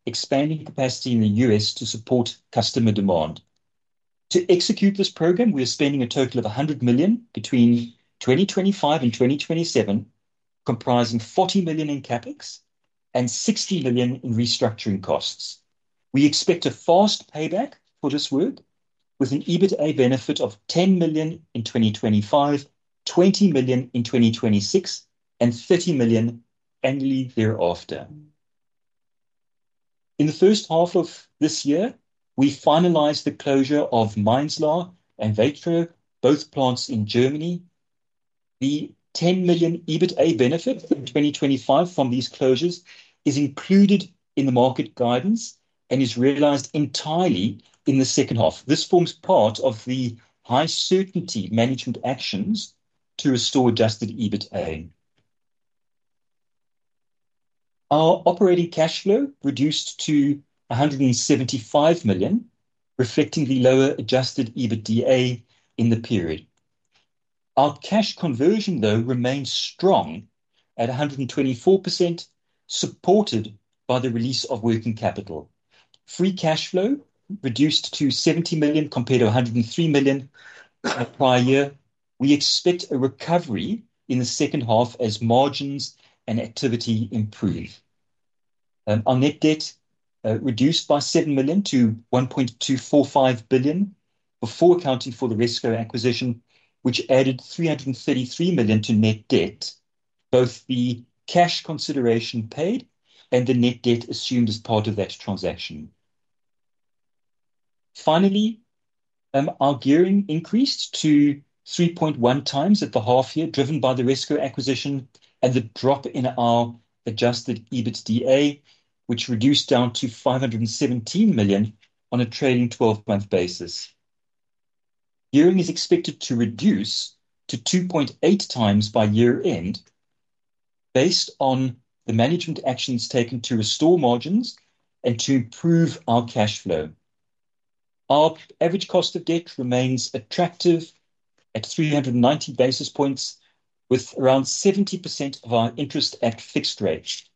expanding capacity in the U.S. to support customer demand. To execute this program, we are spending a total of $100 million between 2025 and 2027, comprising $40 million in CapEx and $60 million in restructuring costs. We expect a fast payback for this work with an EBITDA benefit of $10 million in 2025, $20 million in 2026, and $30 million annually thereafter. In the first half of this year, we finalized the closure of Mainzlau and Weitrau, both plants in Germany. The $10 million EBITDA benefit from 2025 from these closures is included in the market guidance and is realized entirely in the second half. This forms part of the high certainty management actions to restore adjusted EBITDA. Our operating cash flow reduced to $175 million, reflecting the lower adjusted EBITDA in the period. Our cash conversion, though, remains strong at 124%, supported by the release of working capital. Free cash flow reduced to $70 million compared to $103 million prior year. We expect a recovery in the second half as margins and activity improve. Our net debt reduced by $7 million to $1.245 billion before accounting for the Resco acquisition, which added $333 million to net debt, both the cash consideration paid and the net debt assumed as part of that transaction. Finally, our gearing increased to 3.1 times at the half year, driven by the Resco acquisition and the drop in our adjusted EBITDA, which reduced down to $517 million on a trailing 12-month basis. Gearing is expected to reduce to 2.8 times by year end, based on the management actions taken to restore margins and to improve our cash flow. Our average cost of debt remains attractive at 390 basis points, with around 70% of our interest at fixed rates.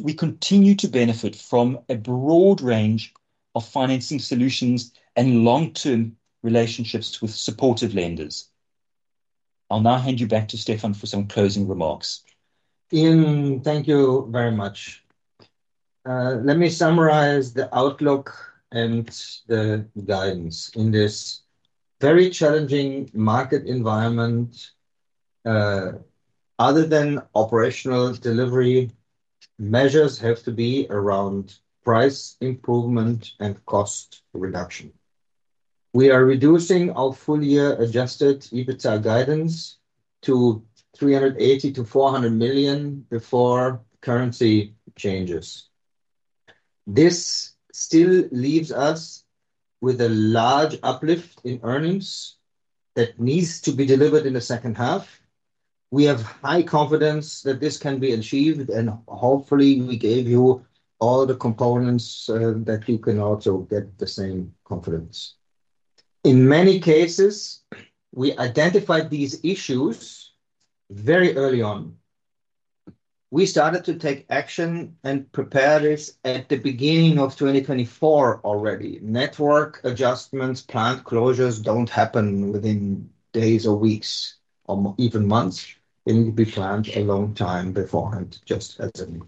We continue to benefit from a broad range of financing solutions and long-term relationships with supportive lenders. I'll now hand you back to Stefan for some closing remarks. Ian, thank you very much. Let me summarize the outlook and the guidance. In this very challenging market environment, other than operational delivery, measures have to be around price improvement and cost reduction. We are reducing our full year adjusted EBITDA guidance to $380 to $400 million before currency changes. This still leaves us with a large uplift in earnings that needs to be delivered in the second half. We have high confidence that this can be achieved, and hopefully we gave you all the components that you can also get the same confidence. In many cases, we identified these issues very early on. We started to take action and prepare this at the beginning of 2024 already. Network adjustments, plant closures do not happen within days or weeks or even months. They need to be planned a long time beforehand, just as in.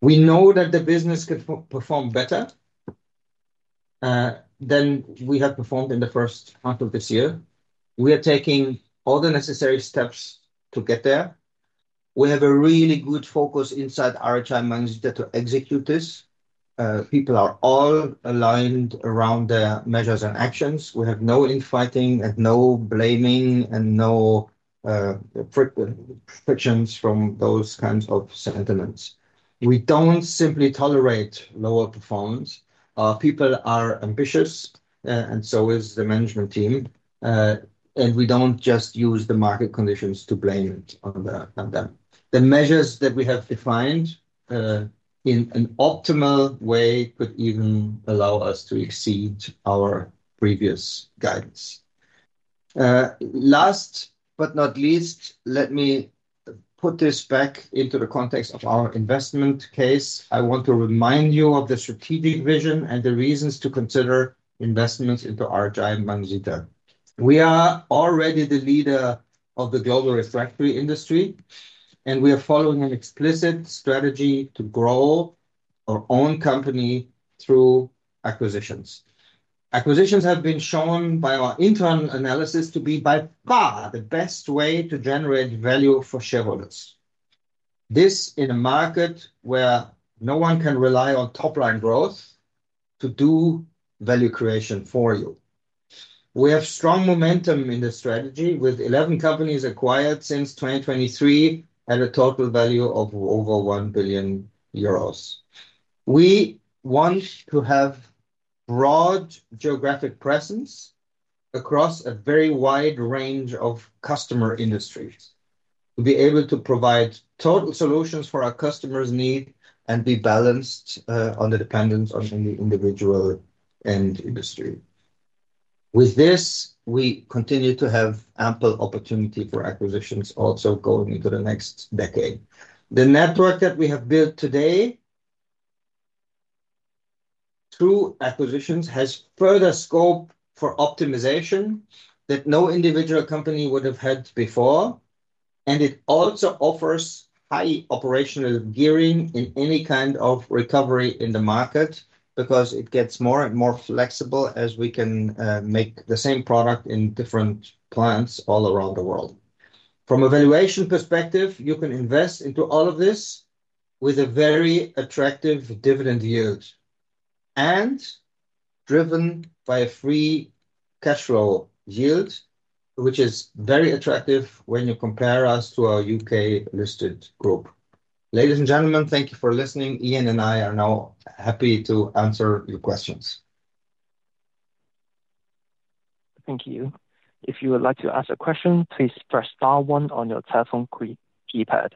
We know that the business could perform better than we have performed in the first half of this year. We are taking all the necessary steps to get there. We have a really good focus inside RHI Magnesita N.V. to execute this. People are all aligned around the measures and actions. We have no infighting and no blaming and no frictions from those kinds of sentiments. We do not simply tolerate lower performance. Our people are ambitious, and so is the management team. We do not just use the market conditions to blame it on them. The measures that we have defined in an optimal way could even allow us to exceed our previous guidance. Last but not least, let me put this back into the context of our investment case. I want to remind you of the strategic vision and the reasons to consider investments into RHI Magnesita N.V. We are already the leader of the global refractory industry, and we are following an explicit strategy to grow our own company through acquisitions. Acquisitions have been shown by our internal analysis to be by far the best way to generate value for shareholders. This in a market where no one can rely on top-line growth to do value creation for you. We have strong momentum in this strategy, with 11 companies acquired since 2023 at a total value of over €1 billion. We want to have a broad geographic presence across a very wide range of customer industries to be able to provide total solutions for our customers' needs and be balanced on the dependence on the individual and industry. With this, we continue to have ample opportunity for acquisitions also going into the next decade. The network that we have built today through acquisitions has further scope for optimization that no individual company would have had before, and it also offers high operational gearing in any kind of recovery in the market because it gets more and more flexible as we can make the same product in different plants all around the world. From a valuation perspective, you can invest into all of this with a very attractive dividend yield and driven by a free cash flow yield, which is very attractive when you compare us to our UK-listed group. Ladies and gentlemen, thank you for listening. Ian and I are now happy to answer your questions. Thank you. If you would like to ask a question, please press star one on your telephone keypad.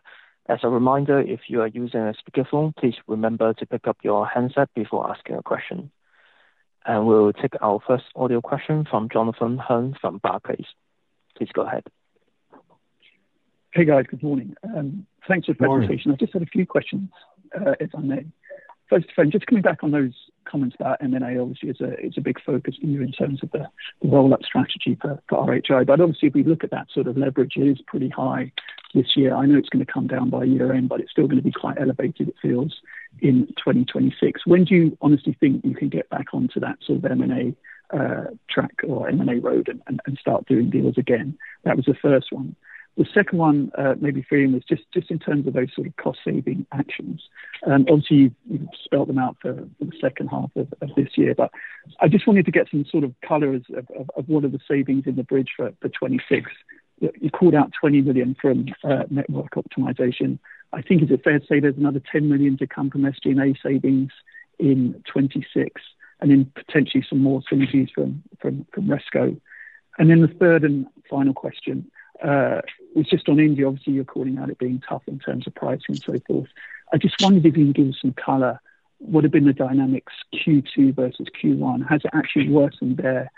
As a reminder, if you are using a speaker phone, please remember to pick up your handset before asking a question. We'll take our first audio question from Jonathan Hearn from Barclays. Please go ahead. Hey guys, good morning. Thanks for the presentation. I just had a few questions, if I may. First, just coming back on those comments about M&A, obviously it's a big focus here in terms of the roll-up strategy for RHI Magnesita N.V. If we look at that sort of leverage, it is pretty high this year. I know it's going to come down by year end, but it's still going to be quite elevated, it feels, in 2026. When do you honestly think you can get back onto that sort of M&A track or M&A road and start doing deals again? That was the first one. The second one, maybe for you, was just in terms of those sort of cost-saving actions. You spelled them out for the second half of this year, but I just wanted to get some sort of color of what are the savings in the bridge for 2026. You called out $20 million from network optimization. I think is it fair to say there's another $10 million to come from SG&A savings in 2026 and then potentially some more synergies from Resco? The third and final question was just on India. You're calling out it being tough in terms of pricing and so forth. I just wondered if you can give us some color. What have been the dynamics Q2 versus Q1? How's it actually working there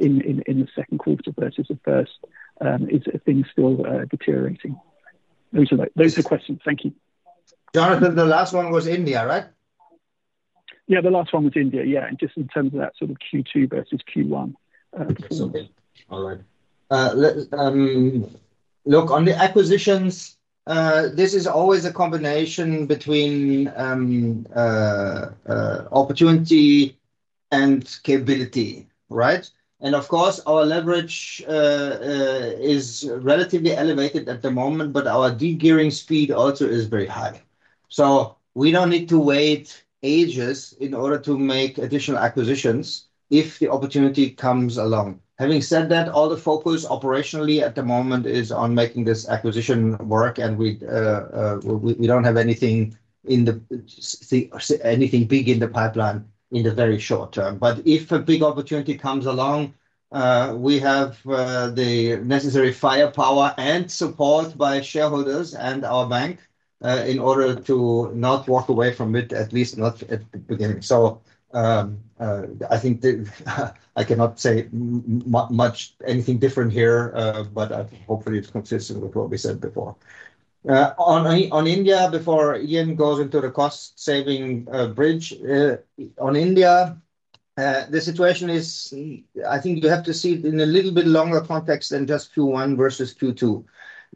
in the second quarter versus the first? Is it a thing still deteriorating? Those are the questions. Thank you. Jonathan, the last one was India, right? Yeah, the last one was India. Yeah, just in terms of that sort of Q2 versus Q1. Okay. All right. Look, on the acquisitions, this is always a combination between opportunity and capability, right? Of course, our leverage is relatively elevated at the moment, but our de-gearing speed also is very high. We don't need to wait ages in order to make additional acquisitions if the opportunity comes along. Having said that, all the focus operationally at the moment is on making this acquisition work, and we don't have anything big in the pipeline in the very short term. If a big opportunity comes along, we have the necessary firepower and support by shareholders and our bank in order to not walk away from it, at least not at the beginning. I think I cannot say much anything different here, but hopefully it's consistent with what we said before. On India, before Ian goes into the cost-saving bridge, on India, the situation is, I think you have to see it in a little bit longer context than just Q1 versus Q2.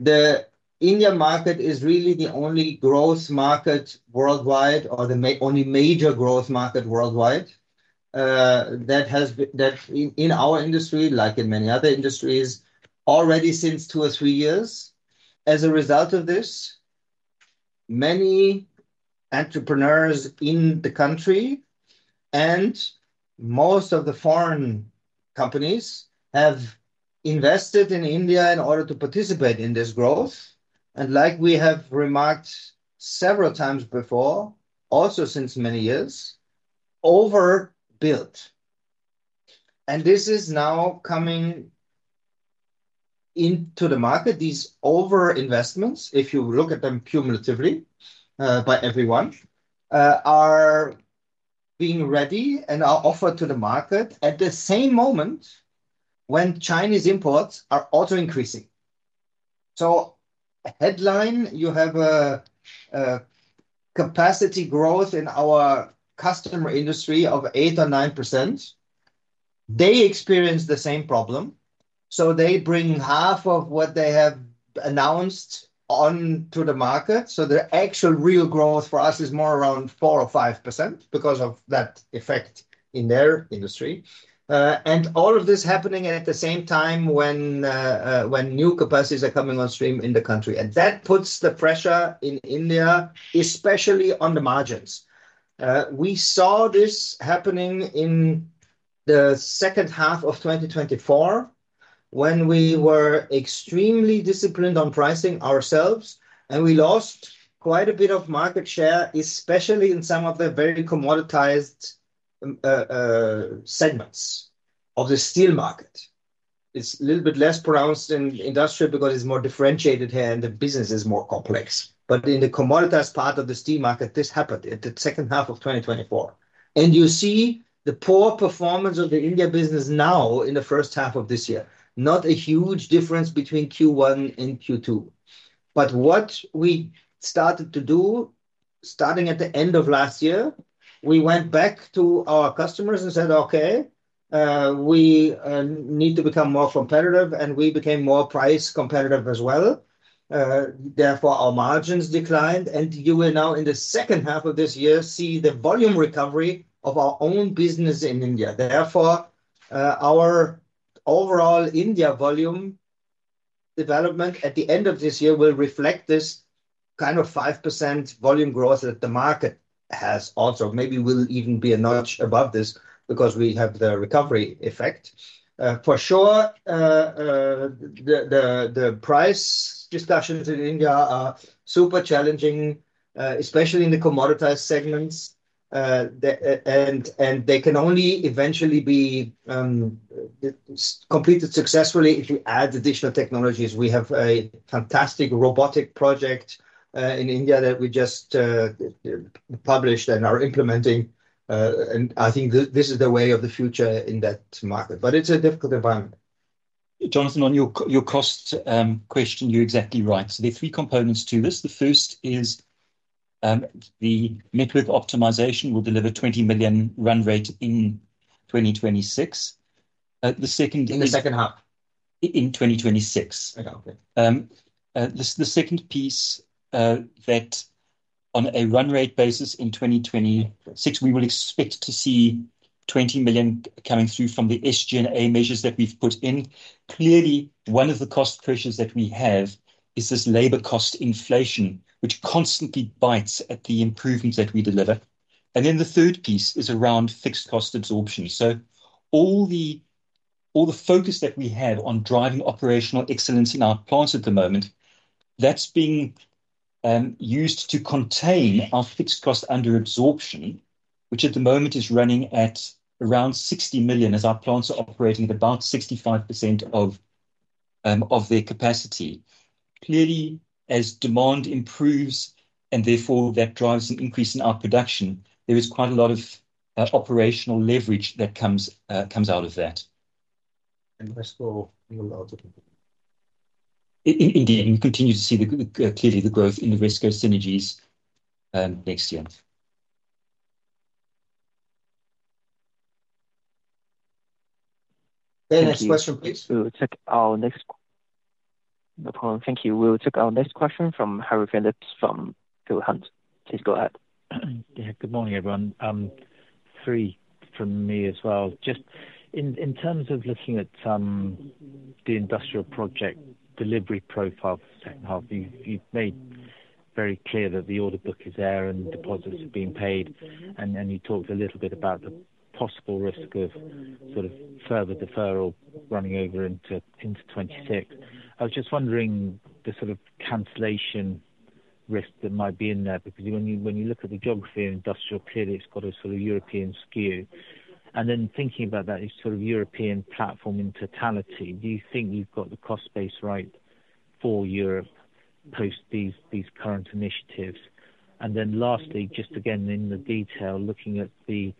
The India market is really the only growth market worldwide or the only major growth market worldwide that has been in our industry, like in many other industries, already since two or three years. As a result of this, many entrepreneurs in the country and most of the foreign companies have invested in India in order to participate in this growth. Like we have remarked several times before, also since many years, overbuilt. This is now coming into the market. These overinvestments, if you look at them cumulatively by everyone, are being ready and are offered to the market at the same moment when Chinese imports are also increasing. A headline, you have a capacity growth in our customer industry of 8 or 9%. They experience the same problem. They bring half of what they have announced onto the market. The actual real growth for us is more around 4 or 5% because of that effect in their industry. All of this happening at the same time when new capacities are coming on stream in the country. That puts the pressure in India, especially on the margins. We saw this happening in the second half of 2024 when we were extremely disciplined on pricing ourselves, and we lost quite a bit of market share, especially in some of the very commoditized segments of the steel market. It's a little bit less pronounced in industrial because it's more differentiated here and the business is more complex. In the commoditized part of the steel market, this happened in the second half of 2024. You see the poor performance of the India business now in the first half of this year, not a huge difference between Q1 and Q2. What we started to do, starting at the end of last year, we went back to our customers and said, "Okay, we need to become more competitive," and we became more price competitive as well. Therefore, our margins declined, and you will now, in the second half of this year, see the volume recovery of our own business in India. Therefore, our overall India volume development at the end of this year will reflect this kind of 5% volume growth that the market has also. Maybe we'll even be a notch above this because we have the recovery effect. For sure, the price discussions in India are super challenging, especially in the commoditized segments, and they can only eventually be completed successfully if you add additional technologies. We have a fantastic robotic project in India that we just published and are implementing, and I think this is the way of the future in that market. It's a difficult environment. Jonathan, on your cost question, you're exactly right. There are three components to this. The first is the MIP optimization will deliver $20 million run rate in 2026. The second half. In 2026. The second piece that on a run rate basis in 2026, we will expect to see $20 million coming through from the SG&A measures that we've put in. Clearly, one of the cost pressures that we have is this labor cost inflation, which constantly bites at the improvements that we deliver. The third piece is around fixed cost absorption. All the focus that we have on driving operational excellence in our plants at the moment, that's being used to contain our fixed cost under absorption, which at the moment is running at around $60 million as our plants are operating at about 65% of their capacity. Clearly, as demand improves and therefore that drives an increase in our production, there is quite a lot of operational leverage that comes out of that. Resco will also do. Indeed, we continue to see clearly the growth in the Resco synergies next year. Very nice question, please. Thank you. We'll check our next question from Harry Phillips from Kilhunt. Please go ahead. Good morning everyone. Three from me as well. In terms of looking at the industrial project delivery profile for the second half, you've made very clear that the order book is there and deposits are being paid. You talked a little bit about the possible risk of further deferral running over into 2026. I was just wondering about the sort of cancellation risk that might be in there, because when you look at the geography of the industrial period, it's got a European skew. Thinking about that European platform in totality, do you think you've got the cost base right for Europe post these current initiatives? Lastly, just again in the detail, looking at the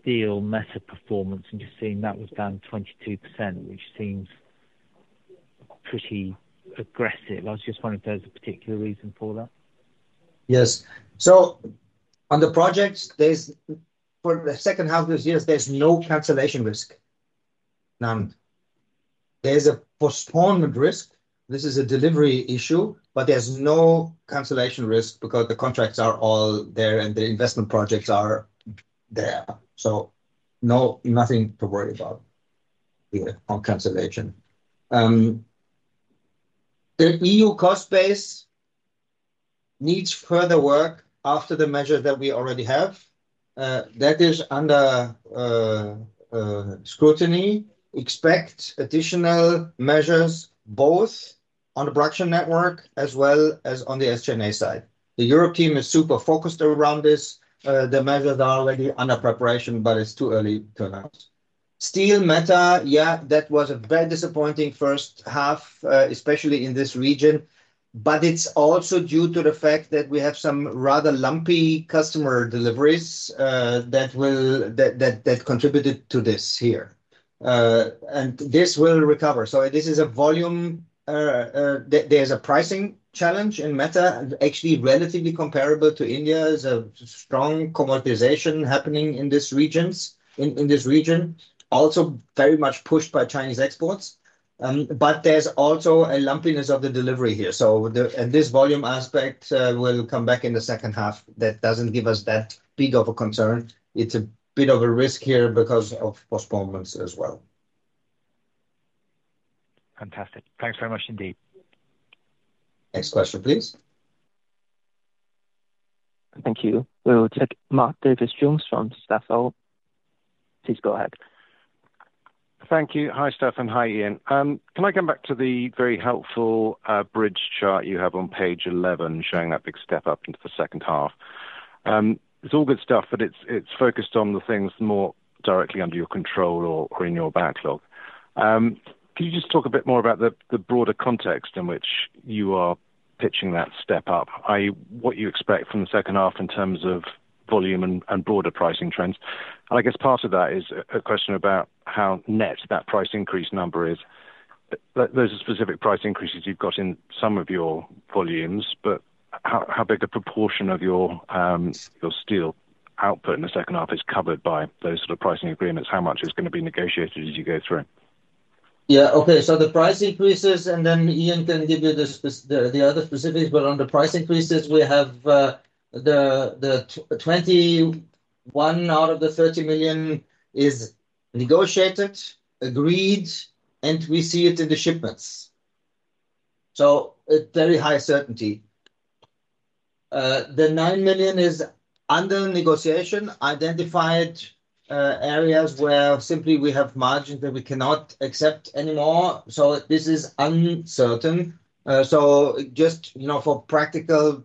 steel META performance and seeing that was down 22%, which seems pretty aggressive. I was just wondering if there's a particular reason for that. Yes. On the projects, for the second half of this year, there's no cancellation risk. There's a postponement risk. This is a delivery issue, but there's no cancellation risk because the contracts are all there and the investment projects are there. No, Nothing to worry about, even on cancellation. The EU cost base needs further work after the measures that we already have. That is under scrutiny. Expect additional measures, both on the production network as well as on the SG&A side. The European is super focused around this. The measures are already under preparation, but it's too early to announce. Steel META, yeah, that was a very disappointing first half, especially in this region. It is also due to the fact that we have some rather lumpy customer deliveries that contributed to this here. This will recover. This is a volume, there's a pricing challenge in META, actually relatively comparable to India. There's a strong commoditization happening in this region, also very much pushed by Chinese exports. There is also a lumpiness of the delivery here. This volume aspect will come back in the second half. That doesn't give us that big of a concern. It's a bit of a risk here because of postponements as well. Fantastic. Thanks very much indeed. Next question, please. Thank you. We will take Mark Davis-Jones from Stifel. Please go ahead. Thank you. Hi, Stefan. Hi, Ian. Can I come back to the very helpful bridge chart you have on page 11, showing that big step up into the second half? It's all good stuff, but it's focused on the things more directly under your control or in your backlog. Can you just talk a bit more about the broader context in which you are pitching that step up, i.e., what you expect from the second half in terms of volume and broader pricing trends? I guess part of that is a question about how net that price increase number is. Those are specific price increases you've got in some of your volumes, but how big a proportion of your steel output in the second half is covered by those sort of pricing agreements? How much is going to be negotiated as you go through? OK. The price increases, and then Ian can give you the other specifics, but on the price increases, we have $21 million out of the $30 million is negotiated, agreed, and we see it in the shipments. It is very high certainty. The $9 million is under negotiation, identified areas where simply we have margins that we cannot accept anymore. This is uncertain. For practical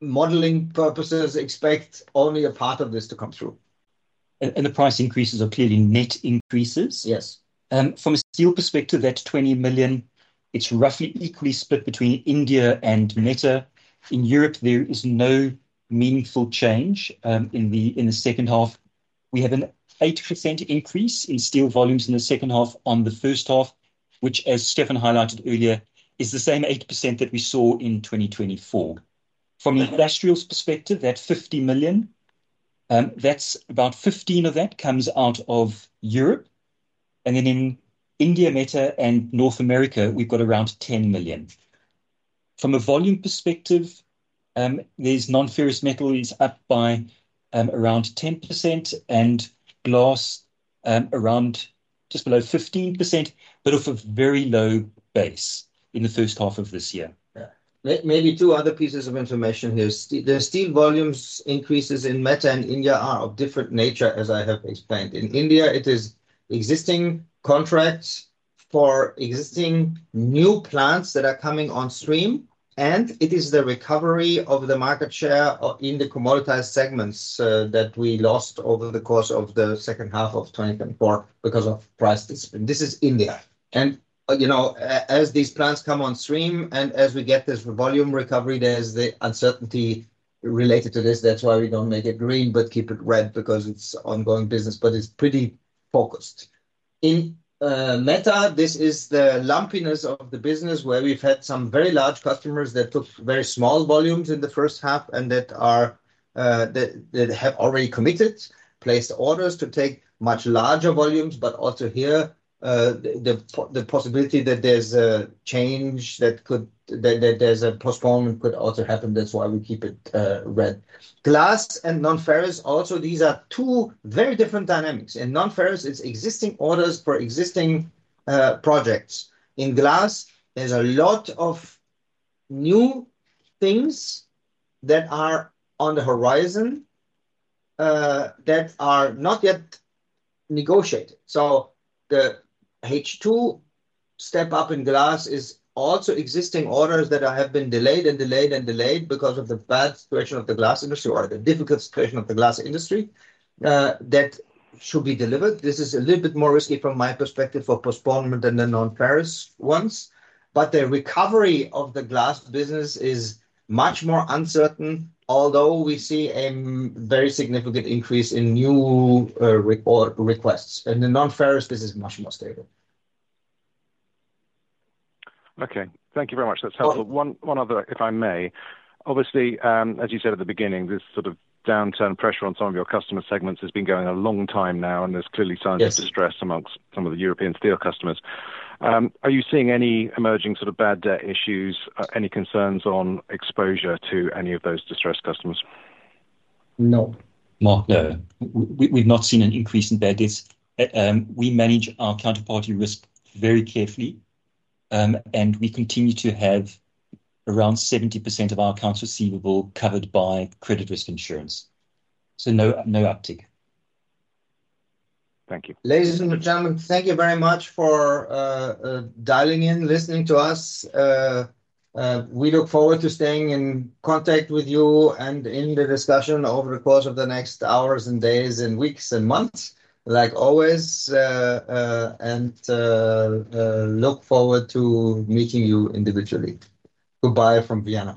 modeling purposes, expect only a part of this to come through. The price increases are purely net increases. Yes. From a steel perspective, that $20 million, it's roughly equally split between India and META. In Europe, there is no meaningful change in the second half. We have an 8% increase in steel volumes in the second half on the first half, which, as Stefan highlighted earlier, is the same 8% that we saw in 2024. From an industrial perspective, that $50 million, that's about $15 million of that comes out of Europe. In India, META, and North America, we've got around $10 million. From a volume perspective, there's non-ferrous metals up by around 10% and glass around just below 15%, but off a very low base in the first half of this year. Maybe two other pieces of information here. The steel volumes increases in META and India are of different nature, as I have explained. In India, it is existing contracts for existing new plants that are coming on stream, and it is the recovery of the market share in the commoditized segments that we lost over the course of the second half of 2024 because of price discipline. This is India. As these plants come on stream and as we get this volume recovery, there's the uncertainty related to this. That's why we don't make it green, but keep it red because it's ongoing business, but it's pretty focused. In META, this is the lumpiness of the business where we've had some very large customers that took very small volumes in the first half and that have already committed, placed orders to take much larger volumes. Also here, the possibility that there's a change that could, that there's a postponement could also happen. That's why we keep it red. Glass and non-ferrous, also these are two very different dynamics. In non-ferrous, it's existing orders for existing projects. In glass, there's a lot of new things that are on the horizon that are not yet negotiated. The H2 step up in glass is also existing orders that have been delayed and delayed and delayed because of the bad situation of the glass industry or the difficult situation of the glass industry that should be delivered. This is a little bit more risky from my perspective for postponement than the non-ferrous ones. The recovery of the glass business is much more uncertain, although we see a very significant increase in new requests. In non-ferrous, this is much more stable. OK, thank you very much. That's helpful. One other, if I may. Obviously, as you said at the beginning, this sort of downturn pressure on some of your customer segments has been going a long time now, and there's clearly signs of distress amongst some of the European steel customers. Are you seeing any emerging sort of bad debt issues, any concerns on exposure to any of those distressed customers? No, Mark, no. We've not seen an increase in bad debt. We manage our counterparty risk very carefully, and we continue to have around 70% of our accounts receivable covered by credit risk insurance. No uptake. Thank you. Ladies and gentlemen, thank you very much for dialing in, listening to us. We look forward to staying in contact with you and in the discussion over the course of the next hours, days, weeks, and months, like always, and look forward to meeting you individually. Goodbye from Vienna.